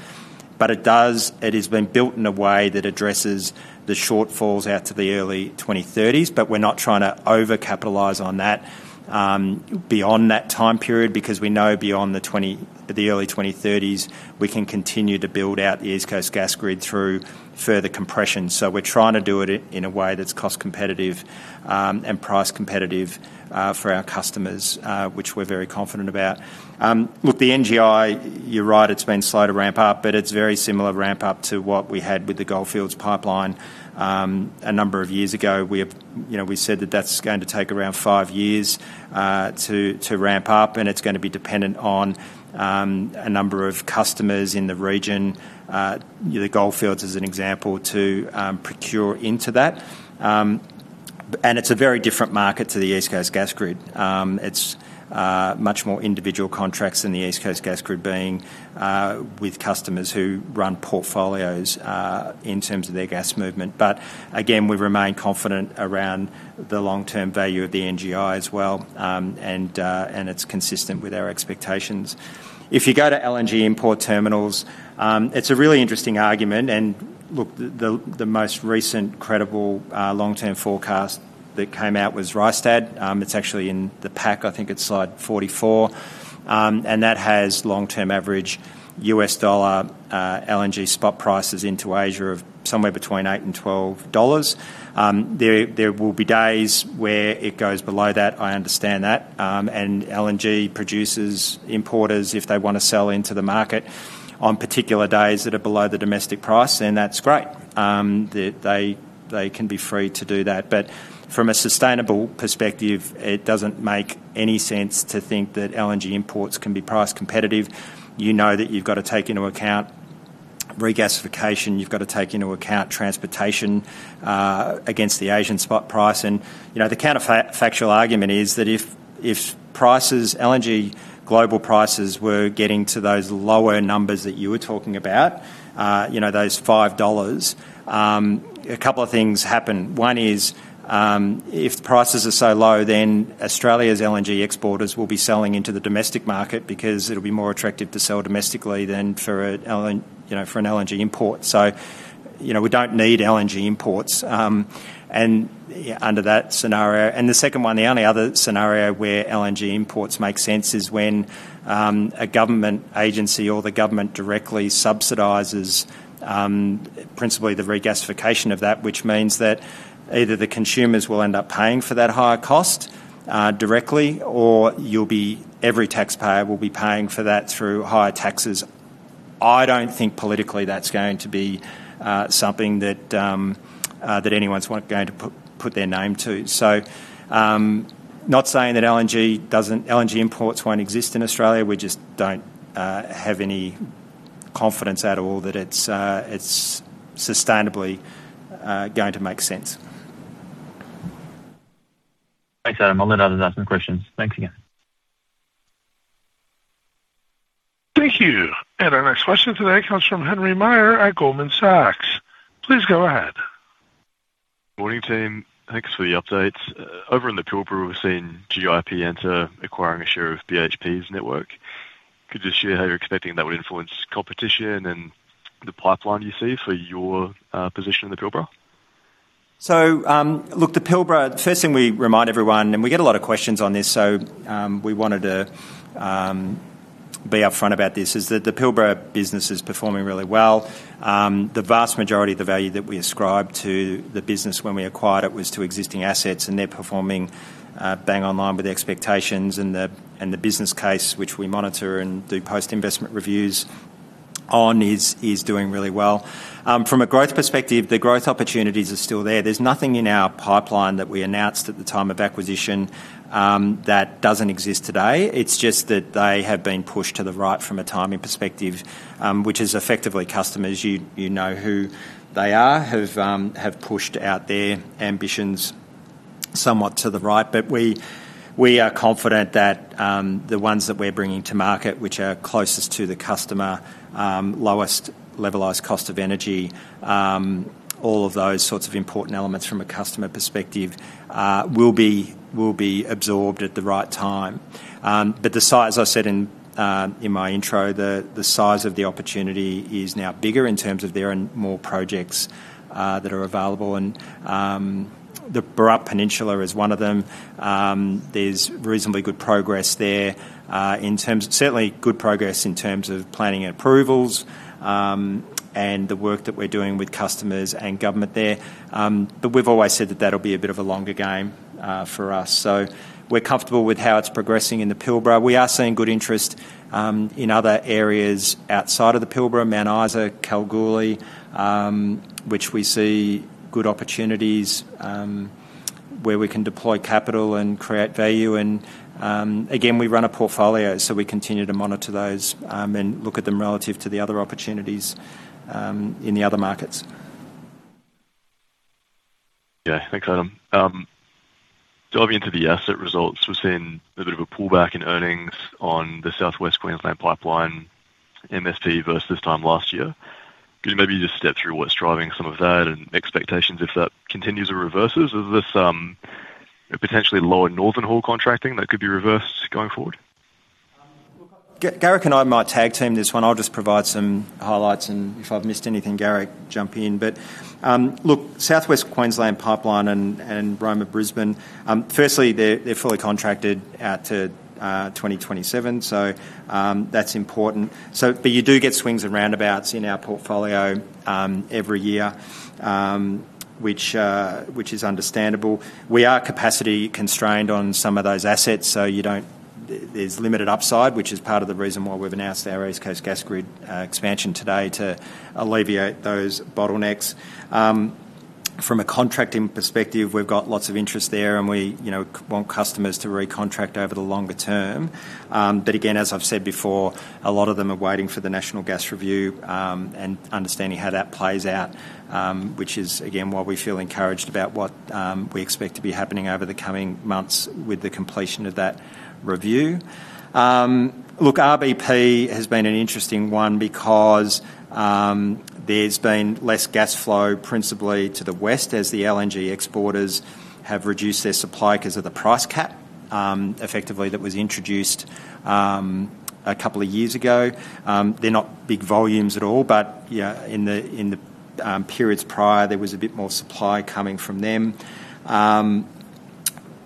But it does, it has been built in a way that addresses the shortfalls out to the early 2030s, but we're not trying to over-capitalize on that, beyond that time period, because we know beyond the 20s, the early 2030s, we can continue to build out the East Coast Gas Grid through further compression. So we're trying to do it in a way that's cost competitive, and price competitive, for our customers, which we're very confident about. Look, the NGI, you're right, it's been slow to ramp up, but it's a very similar ramp-up to what we had with the Goldfields Pipeline, a number of years ago. We have, you know, we said that that's going to take around five years to ramp up, and it's going to be dependent on a number of customers in the region, the Goldfields as an example, to procure into that. And it's a very different market to the East Coast Gas Grid. It's much more individual contracts than the East Coast Gas Grid being with customers who run portfolios in terms of their gas movement. But again, we remain confident around the long-term value of the NGI as well, and it's consistent with our expectations. If you go to LNG import terminals, it's a really interesting argument, and look, the most recent credible long-term forecast that came out was Rystad. It's actually in the pack, I think it's slide 44. And that has long-term average U.S. dollar LNG spot prices into Asia of somewhere between $8 and $12. There will be days where it goes below that, I understand that, and LNG producers, importers, if they want to sell into the market on particular days that are below the domestic price, then that's great. They can be free to do that. But from a sustainable perspective, it doesn't make any sense to think that LNG imports can be price competitive. You know that you've got to take into account regasification, you've got to take into account transportation against the Asian spot price. And, you know, the counterfactual argument is that if prices, LNG global prices, were getting to those lower numbers that you were talking about, you know, those $5, a couple of things happen. One is, if the prices are so low, then Australia's LNG exporters will be selling into the domestic market because it'll be more attractive to sell domestically than, you know, for an LNG import. So, you know, we don't need LNG imports, and under that scenario. And the second one, the only other scenario where LNG imports make sense, is when a government agency or the government directly subsidizes, principally the regasification of that, which means that either the consumers will end up paying for that higher cost, directly, or every taxpayer will be paying for that through higher taxes. I don't think politically that's going to be something that anyone's going to put their name to. So, not saying that LNG imports won't exist in Australia, we just don't have any confidence at all that it's sustainably going to make sense. Thanks, Adam. I'll let others ask some questions. Thanks again. Thank you. Our next question today comes from Henry Meyer at Goldman Sachs. Please go ahead.... Morning, team. Thanks for the updates. Over in the Pilbara, we've seen GIC enter acquiring a share of BHP's network. Could you share how you're expecting that would influence competition and the pipeline you see for your position in the Pilbara? So, look, the Pilbara, the first thing we remind everyone, and we get a lot of questions on this, so, we wanted to be upfront about this, is that the Pilbara business is performing really well. The vast majority of the value that we ascribed to the business when we acquired it was to existing assets, and they're performing bang on line with the expectations and the business case, which we monitor and do post-investment reviews on, is doing really well. From a growth perspective, the growth opportunities are still there. There's nothing in our pipeline that we announced at the time of acquisition that doesn't exist today. It's just that they have been pushed to the right from a timing perspective, which is effectively customers. You, you know who they are, have pushed out their ambitions somewhat to the right. But we are confident that the ones that we're bringing to market, which are closest to the customer, lowest levelized cost of energy, all of those sorts of important elements from a customer perspective, will be absorbed at the right time. But the size, as I said in my intro, the size of the opportunity is now bigger in terms of there are more projects that are available, and the Burrup Peninsula is one of them. There's reasonably good progress there in terms of certainly good progress in terms of planning and approvals, and the work that we're doing with customers and government there. But we've always said that that'll be a bit of a longer game for us. So we're comfortable with how it's progressing in the Pilbara. We are seeing good interest in other areas outside of the Pilbara, Mount Isa, Kalgoorlie, which we see good opportunities where we can deploy capital and create value, and again, we run a portfolio, so we continue to monitor those and look at them relative to the other opportunities in the other markets. Yeah, thanks, Adam. Diving into the asset results, we're seeing a bit of a pullback in earnings on the South West Queensland Pipeline, MSP, versus this time last year. Could you maybe just step through what's driving some of that and expectations if that continues or reverses? Is this a potentially lower northern haul contracting that could be reversed going forward? Garrick and I might tag team this one. I'll just provide some highlights, and if I've missed anything, Garrick, jump in. But look, South West Queensland Pipeline and Roma-Brisbane Pipeline, firstly, they're fully contracted out to 2027, so that's important. So but you do get swings and roundabouts in our portfolio every year, which is understandable. We are capacity constrained on some of those assets, so you don't. There's limited upside, which is part of the reason why we've announced our East Coast Gas Grid expansion today to alleviate those bottlenecks. From a contracting perspective, we've got lots of interest there, and we, you know, want customers to recontract over the longer term. But again, as I've said before, a lot of them are waiting for the National Gas Review, and understanding how that plays out, which is, again, why we feel encouraged about what we expect to be happening over the coming months with the completion of that review. Look, RBP has been an interesting one because there's been less gas flow, principally to the west, as the LNG exporters have reduced their supply because of the price cap, effectively, that was introduced a couple of years ago. They're not big volumes at all, but yeah, in the periods prior, there was a bit more supply coming from them.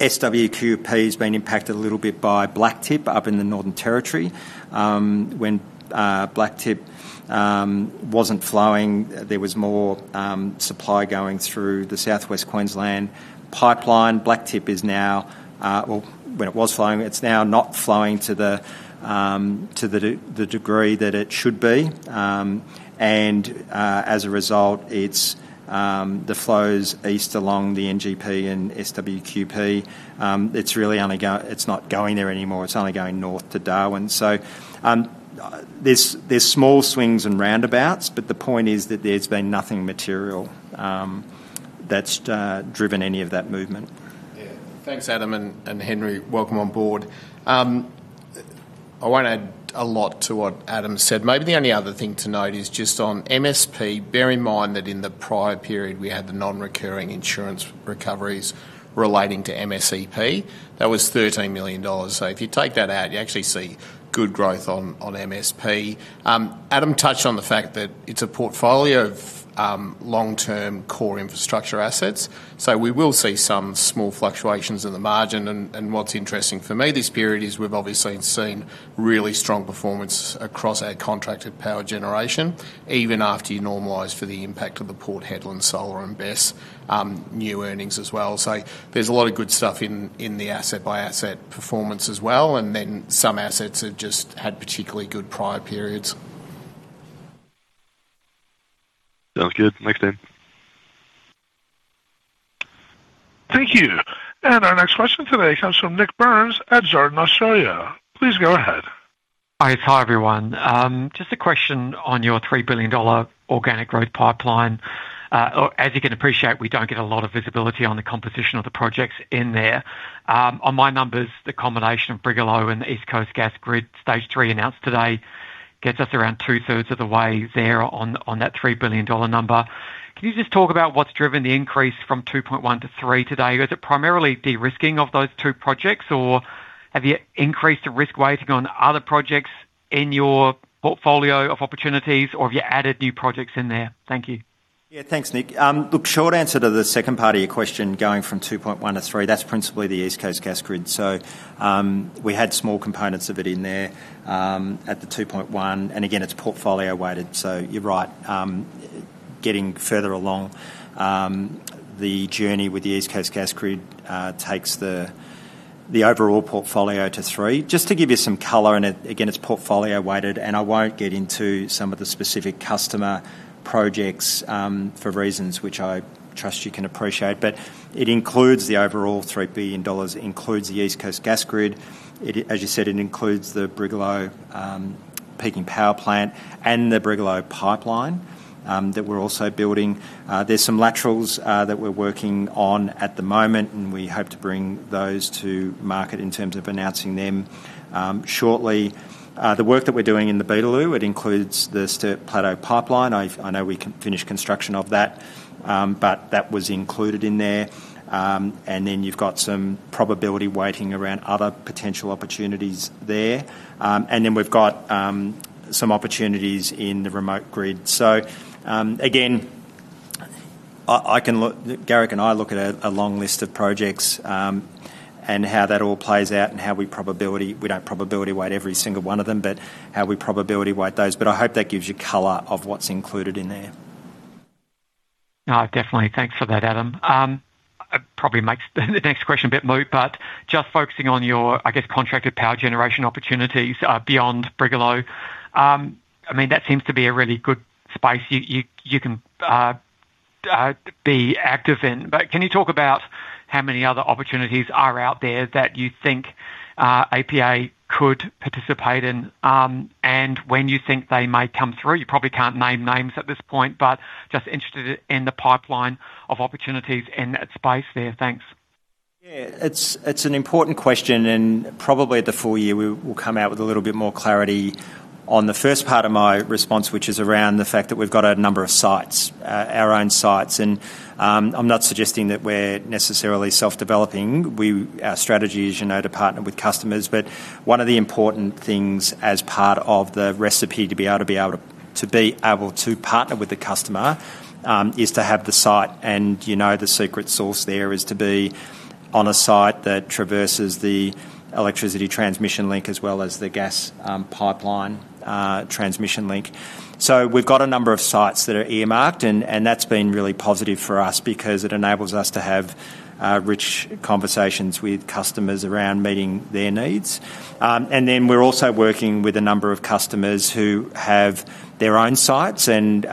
SWQP has been impacted a little bit by Blacktip up in the Northern Territory. When Blacktip wasn't flowing, there was more supply going through the South West Queensland Pipeline. Blacktip is now—well, when it was flowing, it's now not flowing to the degree that it should be. And as a result, it's the flows east along the NGP and SWQP; it's really only—it's not going there anymore. It's only going north to Darwin. So, there's small swings and roundabouts, but the point is that there's been nothing material that's driven any of that movement. Yeah. Thanks, Adam and Henry. Welcome on board. I won't add a lot to what Adam said. Maybe the only other thing to note is just on MSP. Bear in mind that in the prior period, we had the non-recurring insurance recoveries relating to MSEP. That was 13 million dollars. So if you take that out, you actually see good growth on MSP. Adam touched on the fact that it's a portfolio of long-term core infrastructure assets, so we will see some small fluctuations in the margin, and what's interesting for me this period is we've obviously seen really strong performance across our contracted power generation, even after you normalize for the impact of the Port Hedland Solar and BESS, new earnings as well. There's a lot of good stuff in the asset-by-asset performance as well, and then some assets have just had particularly good prior periods. Sounds good. Thanks, team. Thank you. Our next question today comes from Nik Burns at Jarden Australia. Please go ahead. Hi. Hi, everyone. Just a question on your 3 billion dollar organic growth pipeline. As you can appreciate, we don't get a lot of visibility on the composition of the projects in there. On my numbers, the combination of Brigalow and the East Coast Gas Grid, Stage Three, announced today, gets us around two-thirds of the way there on that 3 billion dollar number. Can you just talk about what's driven the increase from 2.1 billion to 3 billion today? Was it primarily de-risking of those two projects, or have you increased the risk weighting on other projects in your portfolio of opportunities, or have you added new projects in there? Thank you. Yeah, thanks, Nick. Look, short answer to the second part of your question, going from 2.1 to three, that's principally the East Coast Gas Grid. So, we had small components of it in there, at the 2.1, and again, it's portfolio weighted, so you're right. Getting further along, the journey with the East Coast Gas Grid, takes the, the overall portfolio to three. Just to give you some color, and again, it's portfolio weighted, and I won't get into some of the specific customer projects, for reasons which I trust you can appreciate, but it includes the overall 3 billion dollars. It, as you said, it includes the Brigalow Peaking Power Plant and the Brigalow Pipeline, that we're also building. There's some laterals that we're working on at the moment, and we hope to bring those to market in terms of announcing them, shortly. The work that we're doing in the Beetaloo, it includes the Sturt Plateau Pipeline. I know we finished construction of that, but that was included in there. And then you've got some probability weighting around other potential opportunities there. And then we've got some opportunities in the remote grid. So, again, I can look... Garrick and I look at a long list of projects, and how that all plays out and how we probability, we don't probability weight every single one of them, but how we probability weight those. But I hope that gives you color of what's included in there. Oh, definitely. Thanks for that, Adam. It probably makes the next question a bit moot, but just focusing on your, I guess, contracted power generation opportunities beyond Brigalow, I mean, that seems to be a really good space you can be active in. But can you talk about how many other opportunities are out there that you think APA could participate in, and when you think they may come through? You probably can't name names at this point, but just interested in the pipeline of opportunities in that space there. Thanks. Yeah, it's an important question, and probably at the full year, we'll come out with a little bit more clarity on the first part of my response, which is around the fact that we've got a number of sites, our own sites, and I'm not suggesting that we're necessarily self-developing. Our strategy is, you know, to partner with customers, but one of the important things as part of the recipe to be able to partner with the customer is to have the site, and, you know, the secret sauce there is to be on a site that traverses the electricity transmission link as well as the gas pipeline transmission link. So we've got a number of sites that are earmarked, and that's been really positive for us because it enables us to have rich conversations with customers around meeting their needs. And then we're also working with a number of customers who have their own sites, and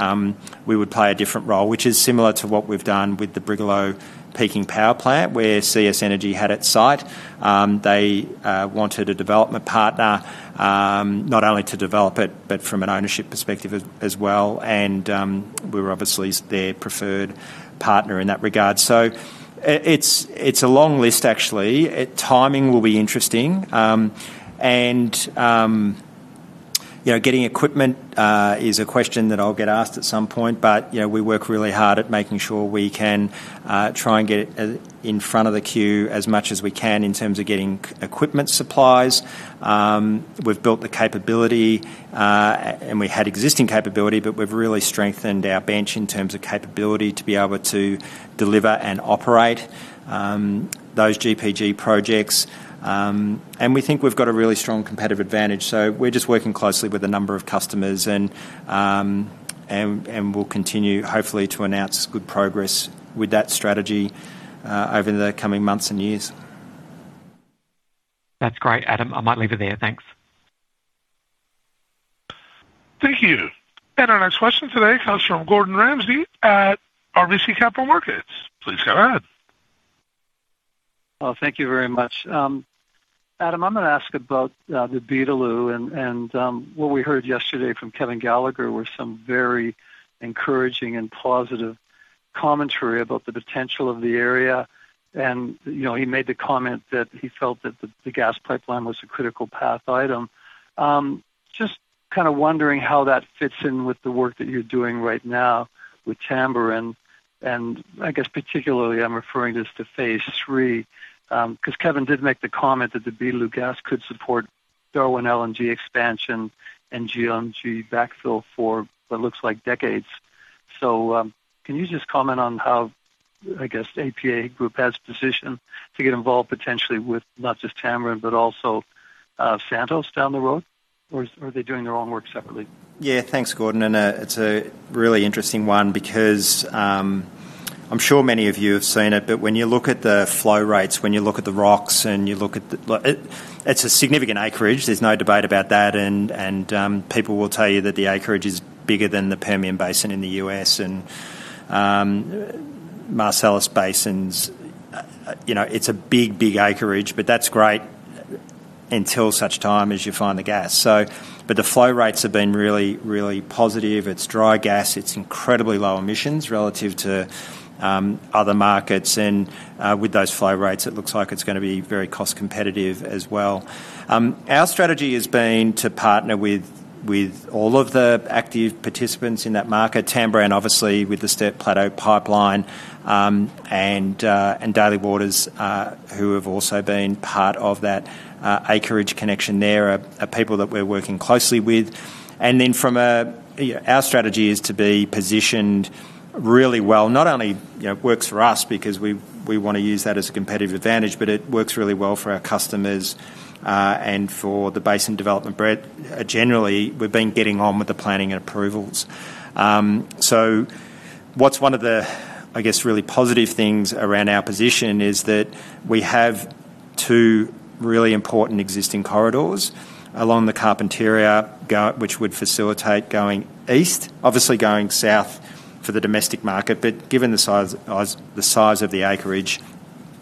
we would play a different role, which is similar to what we've done with the Brigalow Peaking Power Plant, where CS Energy had its site. They wanted a development partner, not only to develop it, but from an ownership perspective as well, and we were obviously their preferred partner in that regard. So it's a long list, actually. Timing will be interesting, and you know, getting equipment is a question that I'll get asked at some point, but you know, we work really hard at making sure we can try and get it in front of the queue as much as we can in terms of getting equipment supplies. We've built the capability, and we had existing capability, but we've really strengthened our bench in terms of capability to be able to deliver and operate those GPG projects. And we think we've got a really strong competitive advantage, so we're just working closely with a number of customers, and we'll continue, hopefully, to announce good progress with that strategy over the coming months and years. That's great, Adam. I might leave it there. Thanks. Thank you. And our next question today comes from Gordon Ramsay at RBC Capital Markets. Please go ahead. Well, thank you very much. Adam, I'm gonna ask about the Beetaloo and what we heard yesterday from Kevin Gallagher were some very encouraging and positive commentary about the potential of the area, and, you know, he made the comment that he felt that the gas pipeline was a critical path item. Just kinda wondering how that fits in with the work that you're doing right now with Tamboran, and, I guess, particularly, I'm referring this to Phase III, 'cause Kevin did make the comment that the Beetaloo gas could support Darwin LNG expansion and LNG backfill for what looks like decades. So, can you just comment on how, I guess, APA Group has positioned to get involved potentially with not just Tamboran, but also, Santos down the road, or are they doing their own work separately? Yeah. Thanks, Gordon, and it's a really interesting one because I'm sure many of you have seen it, but when you look at the flow rates, when you look at the rocks, and you look at the... it's a significant acreage, there's no debate about that, and people will tell you that the acreage is bigger than the Permian Basin in the U.S. and Marcellus Basins. You know, it's a big, big acreage, but that's great until such time as you find the gas. So, but the flow rates have been really, really positive. It's dry gas, it's incredibly low emissions relative to other markets, and with those flow rates, it looks like it's gonna be very cost competitive as well. Our strategy has been to partner with with all of the active participants in that market, Tamboran, obviously, with the Sturt Plateau Pipeline, and and Daly Waters, who have also been part of that acreage connection there, are are people that we're working closely with. And then from a, yeah, our strategy is to be positioned really well. Not only, you know, works for us because we we wanna use that as a competitive advantage, but it works really well for our customers and for the basin development breadth. Generally, we've been getting on with the planning and approvals. So what's one of the, I guess, really positive things around our position is that we have two really important existing corridors along the Carpentaria Corridor which would facilitate going east, obviously going south for the domestic market. But given the size, the size of the acreage,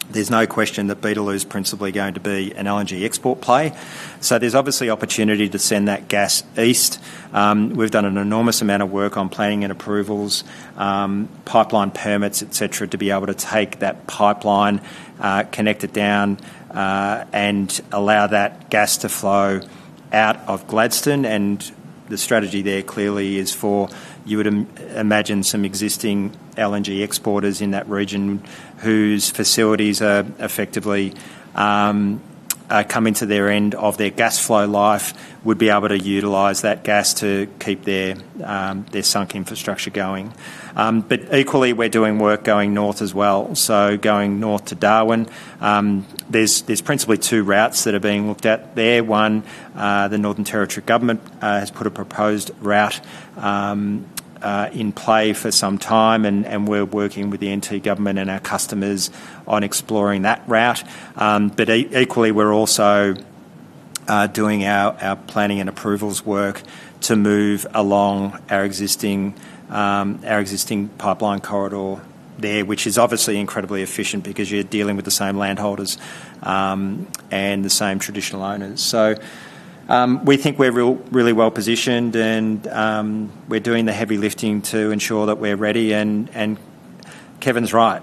there's no question that Beetaloo is principally going to be an LNG export play. So there's obviously opportunity to send that gas east. We've done an enormous amount of work on planning and approvals, pipeline permits, et cetera, to be able to take that pipeline, connect it down, and allow that gas to flow out of Gladstone. And the strategy there clearly is for, you would imagine some existing LNG exporters in that region whose facilities are effectively, are coming to their end of their gas flow life, would be able to utilize that gas to keep their, their sunk infrastructure going. But equally, we're doing work going north as well. So going north to Darwin, there's principally two routes that are being looked at there. One, the Northern Territory Government has put a proposed route in play for some time, and we're working with the NT Government and our customers on exploring that route. But equally, we're also doing our planning and approvals work to move along our existing pipeline corridor there, which is obviously incredibly efficient because you're dealing with the same landholders and the same traditional owners. So, we think we're really well positioned, and we're doing the heavy lifting to ensure that we're ready. And Kevin's right,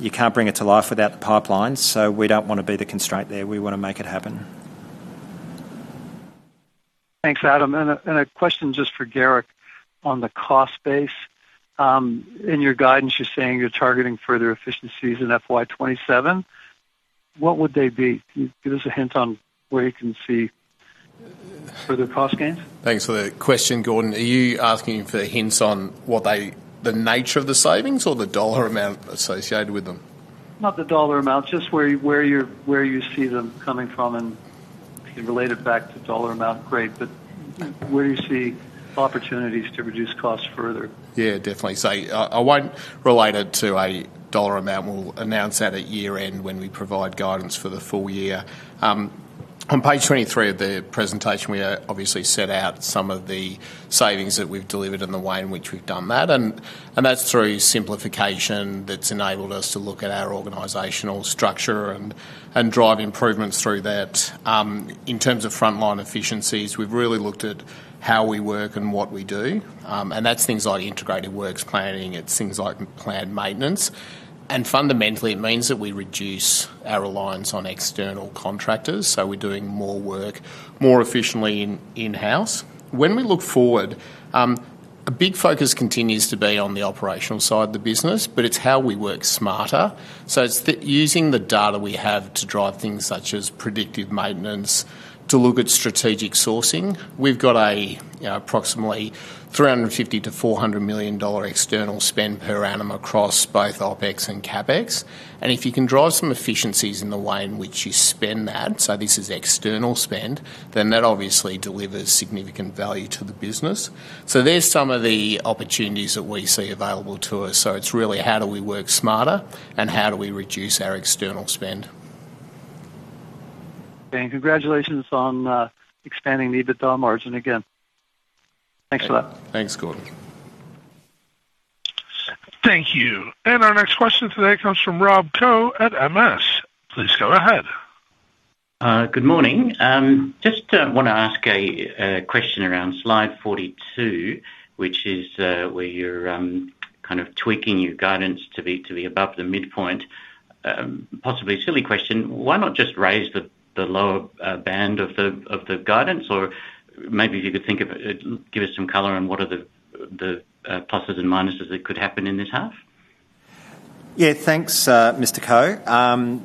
you can't bring it to life without the pipelines, so we don't wanna be the constraint there. We wanna make it happen. Thanks, Adam. And a question just for Garrick on the cost base. In your guidance, you're saying you're targeting further efficiencies in FY 2027. What would they be? Can you give us a hint on where you can see further cost gains? Thanks for the question, Gordon. Are you asking for hints on what they, the nature of the savings or the dollar amount associated with them? Not the dollar amount, just where you see them coming from, and you relate it back to dollar amount. Great, but where do you see opportunities to reduce costs further? Yeah, definitely. So I won't relate it to a dollar amount. We'll announce that at year-end when we provide guidance for the full year. On page 23 of the presentation, we obviously set out some of the savings that we've delivered and the way in which we've done that, and that's through simplification that's enabled us to look at our organizational structure and drive improvements through that. In terms of frontline efficiencies, we've really looked at how we work and what we do, and that's things like integrated works planning, it's things like planned maintenance. And fundamentally, it means that we reduce our reliance on external contractors, so we're doing more work more efficiently in-house. When we look forward, a big focus continues to be on the operational side of the business, but it's how we work smarter. So it's using the data we have to drive things such as predictive maintenance, to look at strategic sourcing. We've got a, you know, approximately 350 million-400 million dollar external spend per annum across both OpEx and CapEx. And if you can drive some efficiencies in the way in which you spend that, so this is external spend, then that obviously delivers significant value to the business. So there's some of the opportunities that we see available to us. So it's really how do we work smarter, and how do we reduce our external spend? Congratulations on expanding the EBITDA margin again. Thanks for that. Thanks, Gordon. Thank you. And our next question today comes from Rob Koh at MS. Please go ahead. Good morning. Just wanna ask a question around slide 42, which is where you're kind of tweaking your guidance to be above the midpoint. Possibly a silly question, why not just raise the lower band of the guidance? Or maybe if you could think of it, give us some color on what are the pluses and minuses that could happen in this half. Yeah, thanks, Mr. Ko,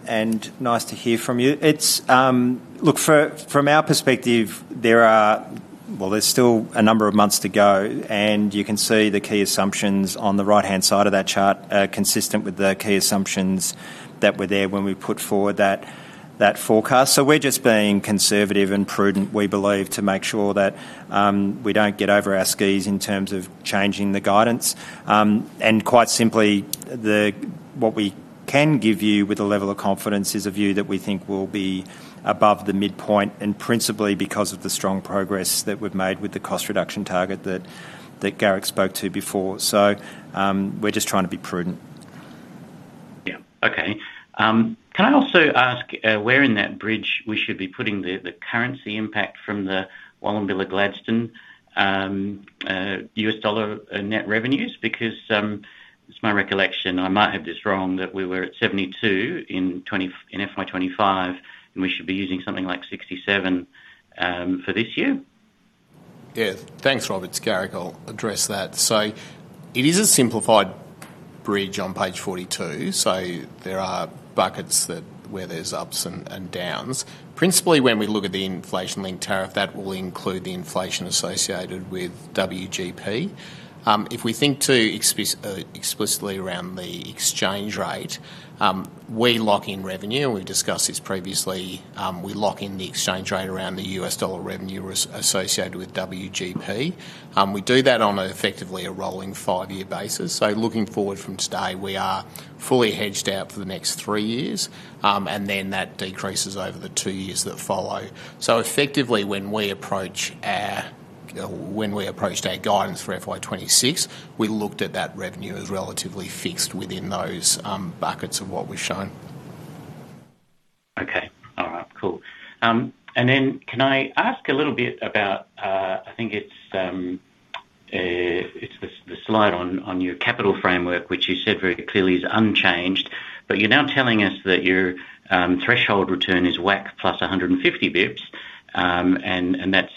and nice to hear from you. It's... Look, from our perspective, there are-- Well, there's still a number of months to go, and you can see the key assumptions on the right-hand side of that chart, consistent with the key assumptions that were there when we put forward that forecast. So we're just being conservative and prudent, we believe, to make sure that we don't get over our skis in terms of changing the guidance. And quite simply, what we can give you with a level of confidence is a view that we think will be above the midpoint, and principally because of the strong progress that we've made with the cost reduction target that Garrick spoke to before. So, we're just trying to be prudent.... Yeah, okay. Can I also ask, where in that bridge we should be putting the, the currency impact from the Wallumbilla Gladstone, U.S. dollar, net revenues? Because, it's my recollection, I might have this wrong, that we were at 72 in twenty-- in FY 2025, and we should be using something like 67, for this year. Yeah. Thanks, Robert. It's Garrick. I'll address that. So it is a simplified bridge on page 42, so there are buckets that, where there's ups and downs. Principally, when we look at the inflation link tariff, that will include the inflation associated with WGP. If we think to explicitly around the exchange rate, we lock in revenue, and we've discussed this previously, we lock in the exchange rate around the U.S. dollar revenue associated with WGP. We do that on an effectively rolling five-year basis. So looking forward from today, we are fully hedged out for the next three years, and then that decreases over the two years that follow. So effectively, when we approached our guidance for FY 2026, we looked at that revenue as relatively fixed within those buckets of what we've shown. Okay. All right, cool. And then can I ask a little bit about, I think it's the slide on your capital framework, which you said very clearly is unchanged, but you're now telling us that your threshold return is WACC plus 150 basis points, and that's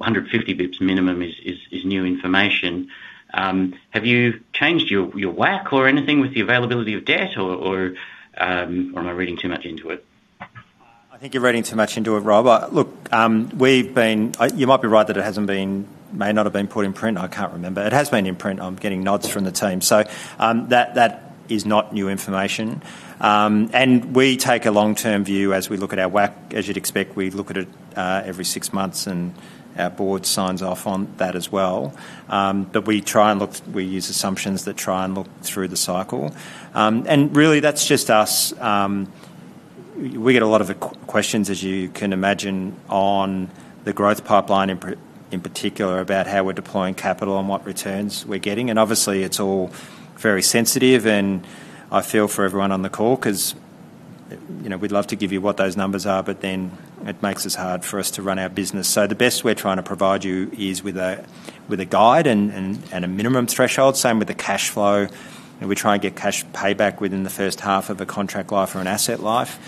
that 150 basis points minimum is new information. Have you changed your WACC or anything with the availability of debt, or am I reading too much into it? I think you're reading too much into it, Rob. Look, you might be right that it hasn't been, may not have been put in print, I can't remember. It has been in print. I'm getting nods from the team. That, that is not new information. And we take a long-term view as we look at our WACC. As you'd expect, we look at it, every six months, and our board signs off on that as well. But we try and look, we use assumptions that try and look through the cycle. And really, that's just us, we get a lot of the questions, as you can imagine, on the growth pipeline, in particular, about how we're deploying capital and what returns we're getting, and obviously, it's all very sensitive and I feel for everyone on the call, 'cause, you know, we'd love to give you what those numbers are, but then it makes it hard for us to run our business. So the best we're trying to provide you is with a guide and a minimum threshold, same with the cash flow, and we try and get cash payback within the first half of a contract life or an asset life.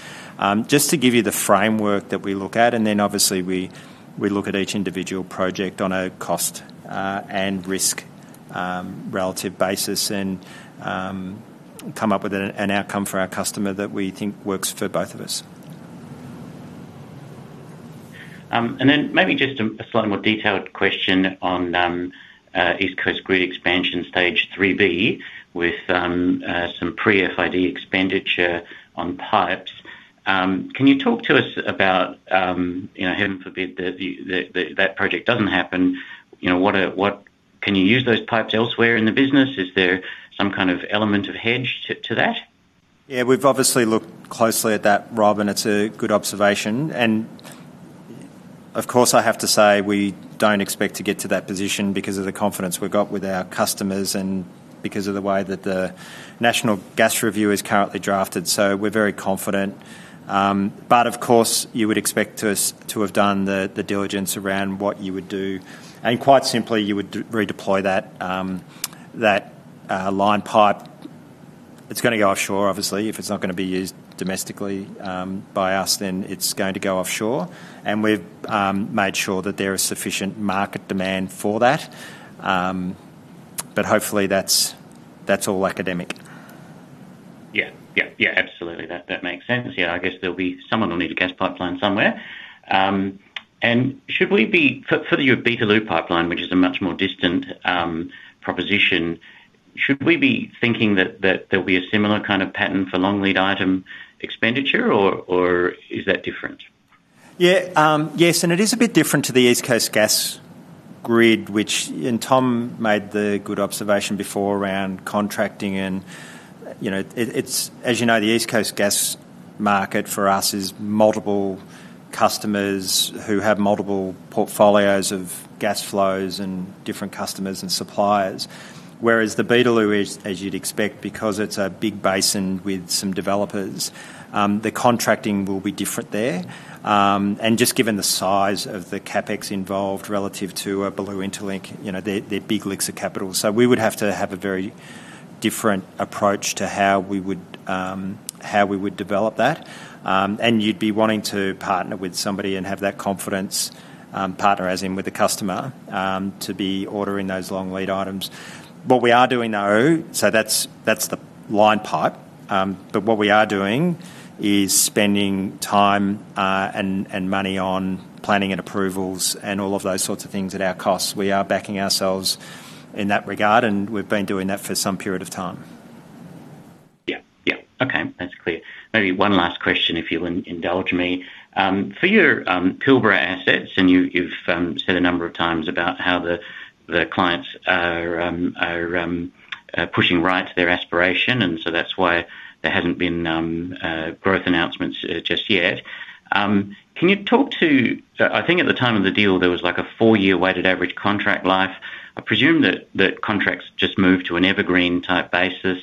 Just to give you the framework that we look at, and then, obviously, we look at each individual project on a cost, and risk, relative basis and, come up with an outcome for our customer that we think works for both of us. And then maybe just a slightly more detailed question on East Coast Gas Grid Expansion Stage Three B, with some pre-FID expenditure on pipes. Can you talk to us about, you know, heaven forbid, that the project doesn't happen, you know, what are... what? Can you use those pipes elsewhere in the business? Is there some kind of element of hedge to that? Yeah, we've obviously looked closely at that, Rob, and it's a good observation. Of course, I have to say, we don't expect to get to that position because of the confidence we've got with our customers and because of the way that the national gas review is currently drafted, so we're very confident. But of course, you would expect us to have done the diligence around what you would do, and quite simply, you would redeploy that line pipe. It's gonna go offshore, obviously. If it's not gonna be used domestically by us, then it's going to go offshore, and we've made sure that there is sufficient market demand for that. But hopefully, that's all academic. Yeah. Yeah, yeah, absolutely. That, that makes sense. Yeah, I guess there'll be someone will need a gas pipeline somewhere. And should we be for the Beetaloo pipeline, which is a much more distant proposition, should we be thinking that, that there'll be a similar kind of pattern for long lead item expenditure, or is that different? Yeah, yes, and it is a bit different to the East Coast Gas Grid, which... And Tom made the good observation before around contracting and, you know, it, it's, as you know, the East Coast gas market for us is multiple customers who have multiple portfolios of gas flows and different customers and suppliers. Whereas the Beetaloo is, as you'd expect, because it's a big basin with some developers, the contracting will be different there. And just given the size of the CapEx involved relative to a Beetaloo Interlink, you know, they're big licks of capital. So we would have to have a very different approach to how we would, how we would develop that. And you'd be wanting to partner with somebody and have that confidence, partner, as in with the customer, to be ordering those long lead items. What we are doing, though, so that's the line pipe, but what we are doing is spending time and money on planning and approvals and all of those sorts of things at our costs. We are backing ourselves in that regard, and we've been doing that for some period of time. Yeah, yeah. Okay, that's clear. Maybe one last question, if you'll indulge me. For your Pilbara assets, and you've said a number of times about how the clients are pushing right to their aspiration, and so that's why there hasn't been growth announcements just yet. Can you talk to... I think at the time of the deal, there was, like, a four-year weighted average contract life. I presume that contracts just move to an evergreen type basis.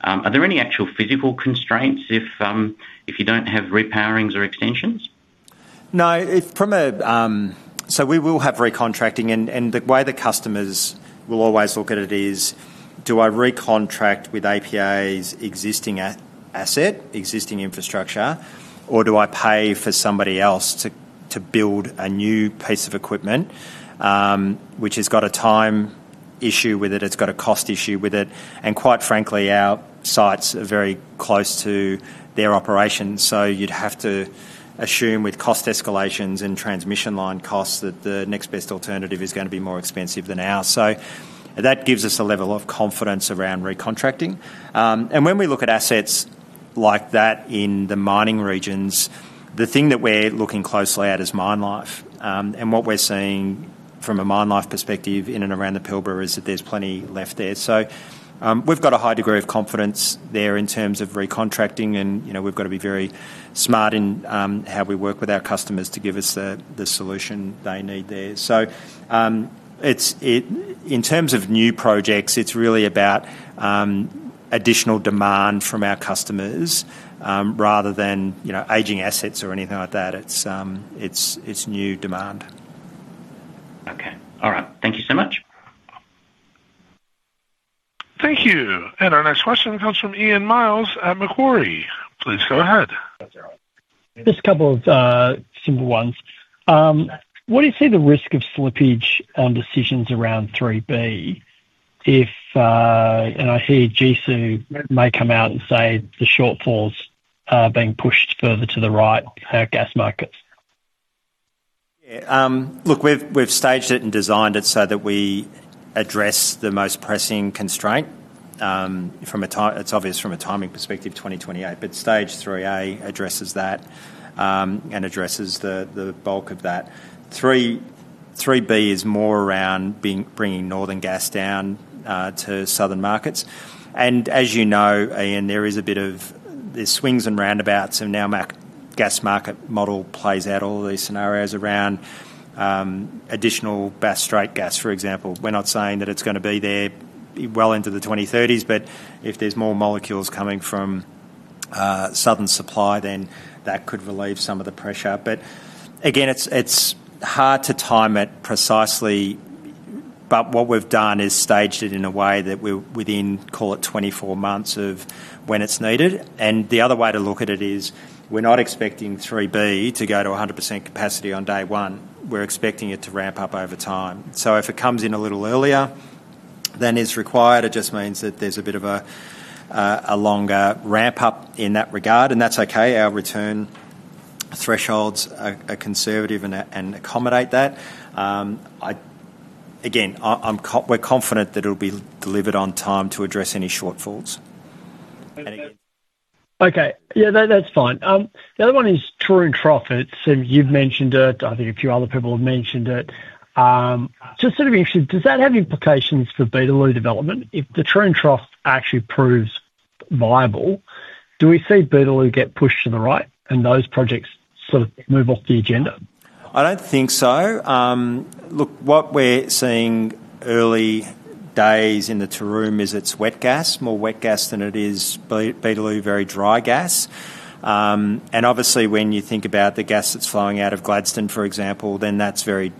Are there any actual physical constraints if you don't have repowerings or extensions? No, it's from a, so we will have recontracting, and the way the customers will always look at it is, do I recontract with APA's existing asset, existing infrastructure, or do I pay for somebody else to build a new piece of equipment, which has got a time issue with it, it's got a cost issue with it, and quite frankly, our sites are very close to their operations, so you'd have to assume with cost escalations and transmission line costs, that the next best alternative is gonna be more expensive than ours. So that gives us a level of confidence around recontracting. And when we look at assets like that in the mining regions, the thing that we're looking closely at is mine life. And what we're seeing from a mine life perspective in and around the Pilbara is that there's plenty left there. So, we've got a high degree of confidence there in terms of recontracting and, you know, we've got to be very smart in how we work with our customers to give us the solution they need there. So, it's in terms of new projects, it's really about additional demand from our customers, rather than, you know, aging assets or anything like that. It's new demand. Okay. All right. Thank you so much. Thank you. And our next question comes from Ian Myles at Macquarie. Please go ahead. Just a couple of simple ones. What do you see the risk of slippage on decisions around 3B if, and I hear GSOO may come out and say the shortfalls are being pushed further to the right of our gas markets? Yeah, look, we've staged it and designed it so that we address the most pressing constraint from a timing perspective, 2028, but stage three A addresses that, and addresses the bulk of that. Three, three B is more around bringing northern gas down to southern markets. And as you know, Ian, there is a bit of the swings and roundabouts, and now gas market model plays out all of these scenarios around additional straight gas, for example. We're not saying that it's gonna be there well into the 2030s, but if there's more molecules coming from southern supply, then that could relieve some of the pressure. But again, it's hard to time it precisely, but what we've done is staged it in a way that we're within, call it 24 months of when it's needed. And the other way to look at it is, we're not expecting 3B to go to 100% capacity on day one. We're expecting it to ramp up over time. So if it comes in a little earlier than is required, it just means that there's a bit of a longer ramp-up in that regard, and that's okay. Our return thresholds are conservative and accommodate that. Again, we're confident that it'll be delivered on time to address any shortfalls. Okay. Yeah, that, that's fine. The other one is Taroom Trough, and you've mentioned it, I think a few other people have mentioned it. Just sort of interested, does that have implications for Beetaloo development? If the Taroom Trough actually proves viable, do we see Beetaloo get pushed to the right and those projects sort of move off the agenda? I don't think so. Look, what we're seeing early days in the Taroom is it's wet gas, more wet gas than it is Beetaloo, very dry gas. And obviously, when you think about the gas that's flowing out of Gladstone, for example, then that's very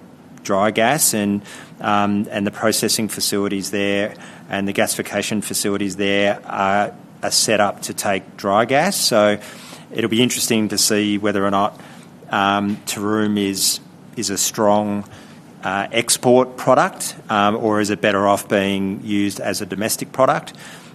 dry gas, and the processing facilities there and the gasification facilities there are set up to take dry gas. So it'll be interesting to see whether or not Taroom is a strong export product, or is it better off being used as a domestic product.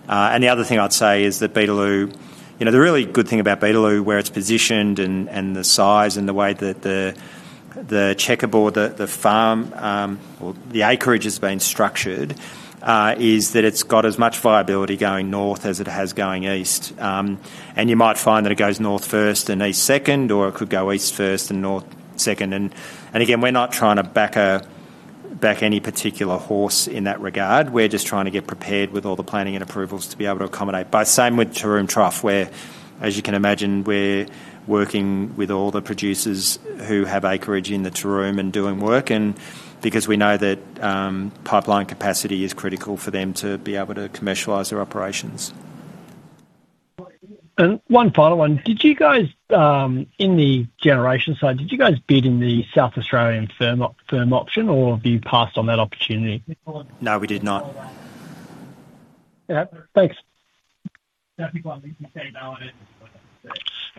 And the other thing I'd say is that Beetaloo... You know, the really good thing about Beetaloo, where it's positioned and the size and the way that the checkerboard, the farm, or the acreage has been structured, is that it's got as much viability going north as it has going east. And you might find that it goes north first and east second, or it could go east first and north second. And again, we're not trying to back any particular horse in that regard. We're just trying to get prepared with all the planning and approvals to be able to accommodate both. Same with Taroom Trough, where, as you can imagine, we're working with all the producers who have acreage in the Taroom and doing work, and because we know that pipeline capacity is critical for them to be able to commercialize their operations. One final one. Did you guys, in the generation side, did you guys bid in the South Australian firm option, or have you passed on that opportunity? No, we did not. Yeah. Thanks.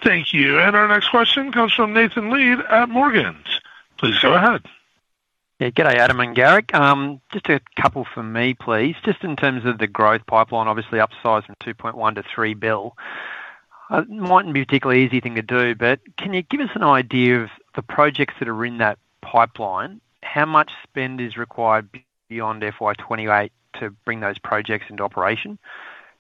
Thank you. And our next question comes from Nathan Lead at Morgans. Please go ahead. Yeah, good day, Adam and Garrick. Just a couple from me, please. Just in terms of the growth pipeline, obviously, upsizing 2.1 billion-3 billion. It mightn't be a particularly easy thing to do, but can you give us an idea of the projects that are in that pipeline? How much spend is required beyond FY 2028 to bring those projects into operation?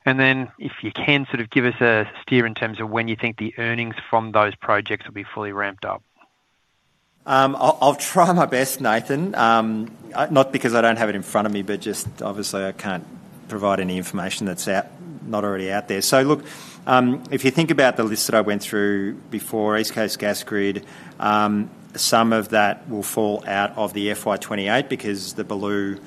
And then, if you can, sort of give us a steer in terms of when you think the earnings from those projects will be fully ramped up. I'll try my best, Nathan. Not because I don't have it in front of me, but just obviously I can't provide any information that's not already out there. Look, if you think about the list that I went through before, East Coast Gas Grid, some of that will fall out of the FY 2028 because the Blue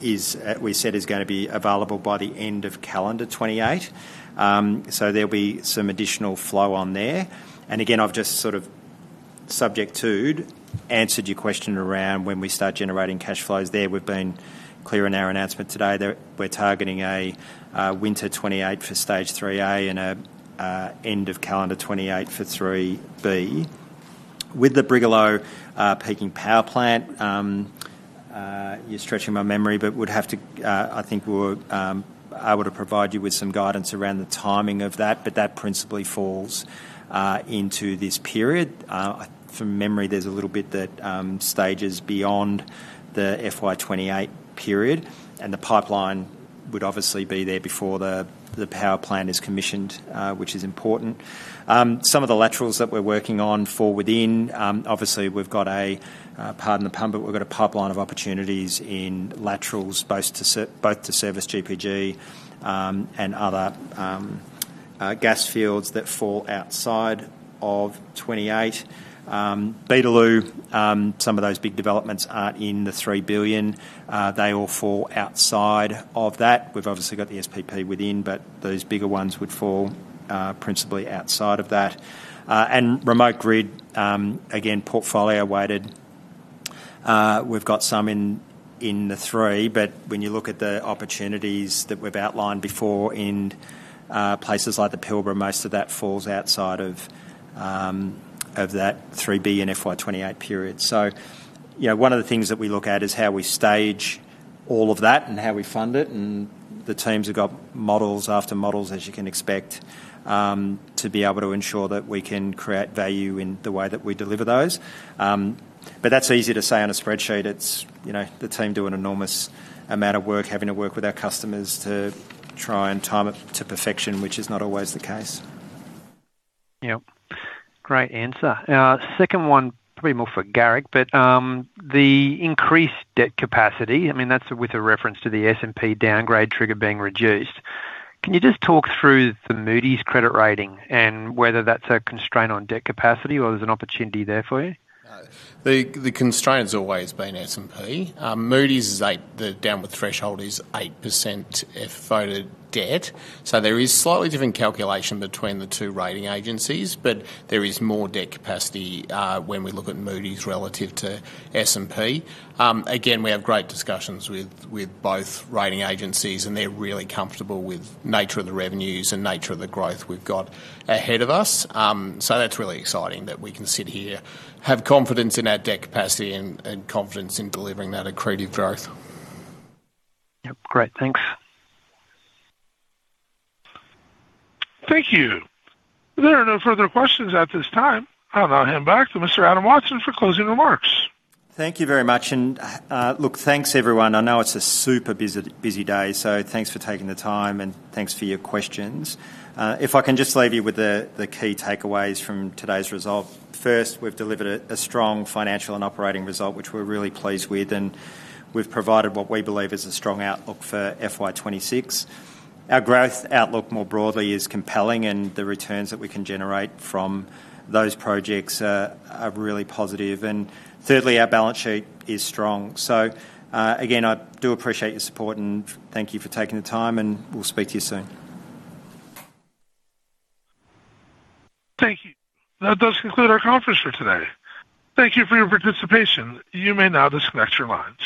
is, we said, is gonna be available by the end of calendar 2028. There'll be some additional flow on there. Again, I've just sort of subject to, answered your question around when we start generating cash flows there. We've been clear in our announcement today that we're targeting a winter 2028 for Stage III A and an end of calendar 2028 for III B. With the Brigalow Peaking Power Plant, you're stretching my memory, but would have to, I think we're able to provide you with some guidance around the timing of that, but that principally falls into this period. From memory, there's a little bit that stages beyond the FY 2028 period, and the pipeline would obviously be there before the power plant is commissioned, which is important. Some of the laterals that we're working on for within, obviously, we've got a, pardon the pun, but we've got a pipeline of opportunities in laterals, both to service GPG, and other gas fields that fall outside of 2028. Beetaloo, some of those big developments aren't in the 3 billion. They all fall outside of that. We've obviously got the SPP within, but those bigger ones would fall, principally outside of that. And remote grid, again, portfolio weighted. We've got some in the three, but when you look at the opportunities that we've outlined before in places like the Pilbara, most of that falls outside of that 3B and FY 2028 period. So, you know, one of the things that we look at is how we stage all of that and how we fund it, and the teams have got models after models, as you can expect, to be able to ensure that we can create value in the way that we deliver those. But that's easy to say on a spreadsheet. It's, you know, the team do an enormous amount of work, having to work with our customers to try and time it to perfection, which is not always the case. Yep. Great answer. Second one, probably more for Garrick, but, the increased debt capacity, I mean, that's with a reference to the S&P downgrade trigger being reduced. Can you just talk through the Moody's credit rating and whether that's a constraint on debt capacity or there's an opportunity there for you? The constraint has always been S&P. Moody's is eight, the downward threshold is 8% FFO to debt. So there is slightly different calculation between the two rating agencies, but there is more debt capacity, when we look at Moody's relative to S&P. Again, we have great discussions with both rating agencies, and they're really comfortable with nature of the revenues and nature of the growth we've got ahead of us. So that's really exciting that we can sit here, have confidence in our debt capacity, and confidence in delivering that accretive growth. Yep, great. Thanks. Thank you. There are no further questions at this time. I'll now hand back to Mr. Adam Watson for closing remarks. Thank you very much, and, look, thanks, everyone. I know it's a super busy, busy day, so thanks for taking the time, and thanks for your questions. If I can just leave you with the key takeaways from today's result. First, we've delivered a strong financial and operating result, which we're really pleased with, and we've provided what we believe is a strong outlook for FY 2026. Our growth outlook, more broadly, is compelling, and the returns that we can generate from those projects are really positive. And thirdly, our balance sheet is strong. So, again, I do appreciate your support, and thank you for taking the time, and we'll speak to you soon. Thank you. That does conclude our conference for today. Thank you for your participation. You may now disconnect your lines.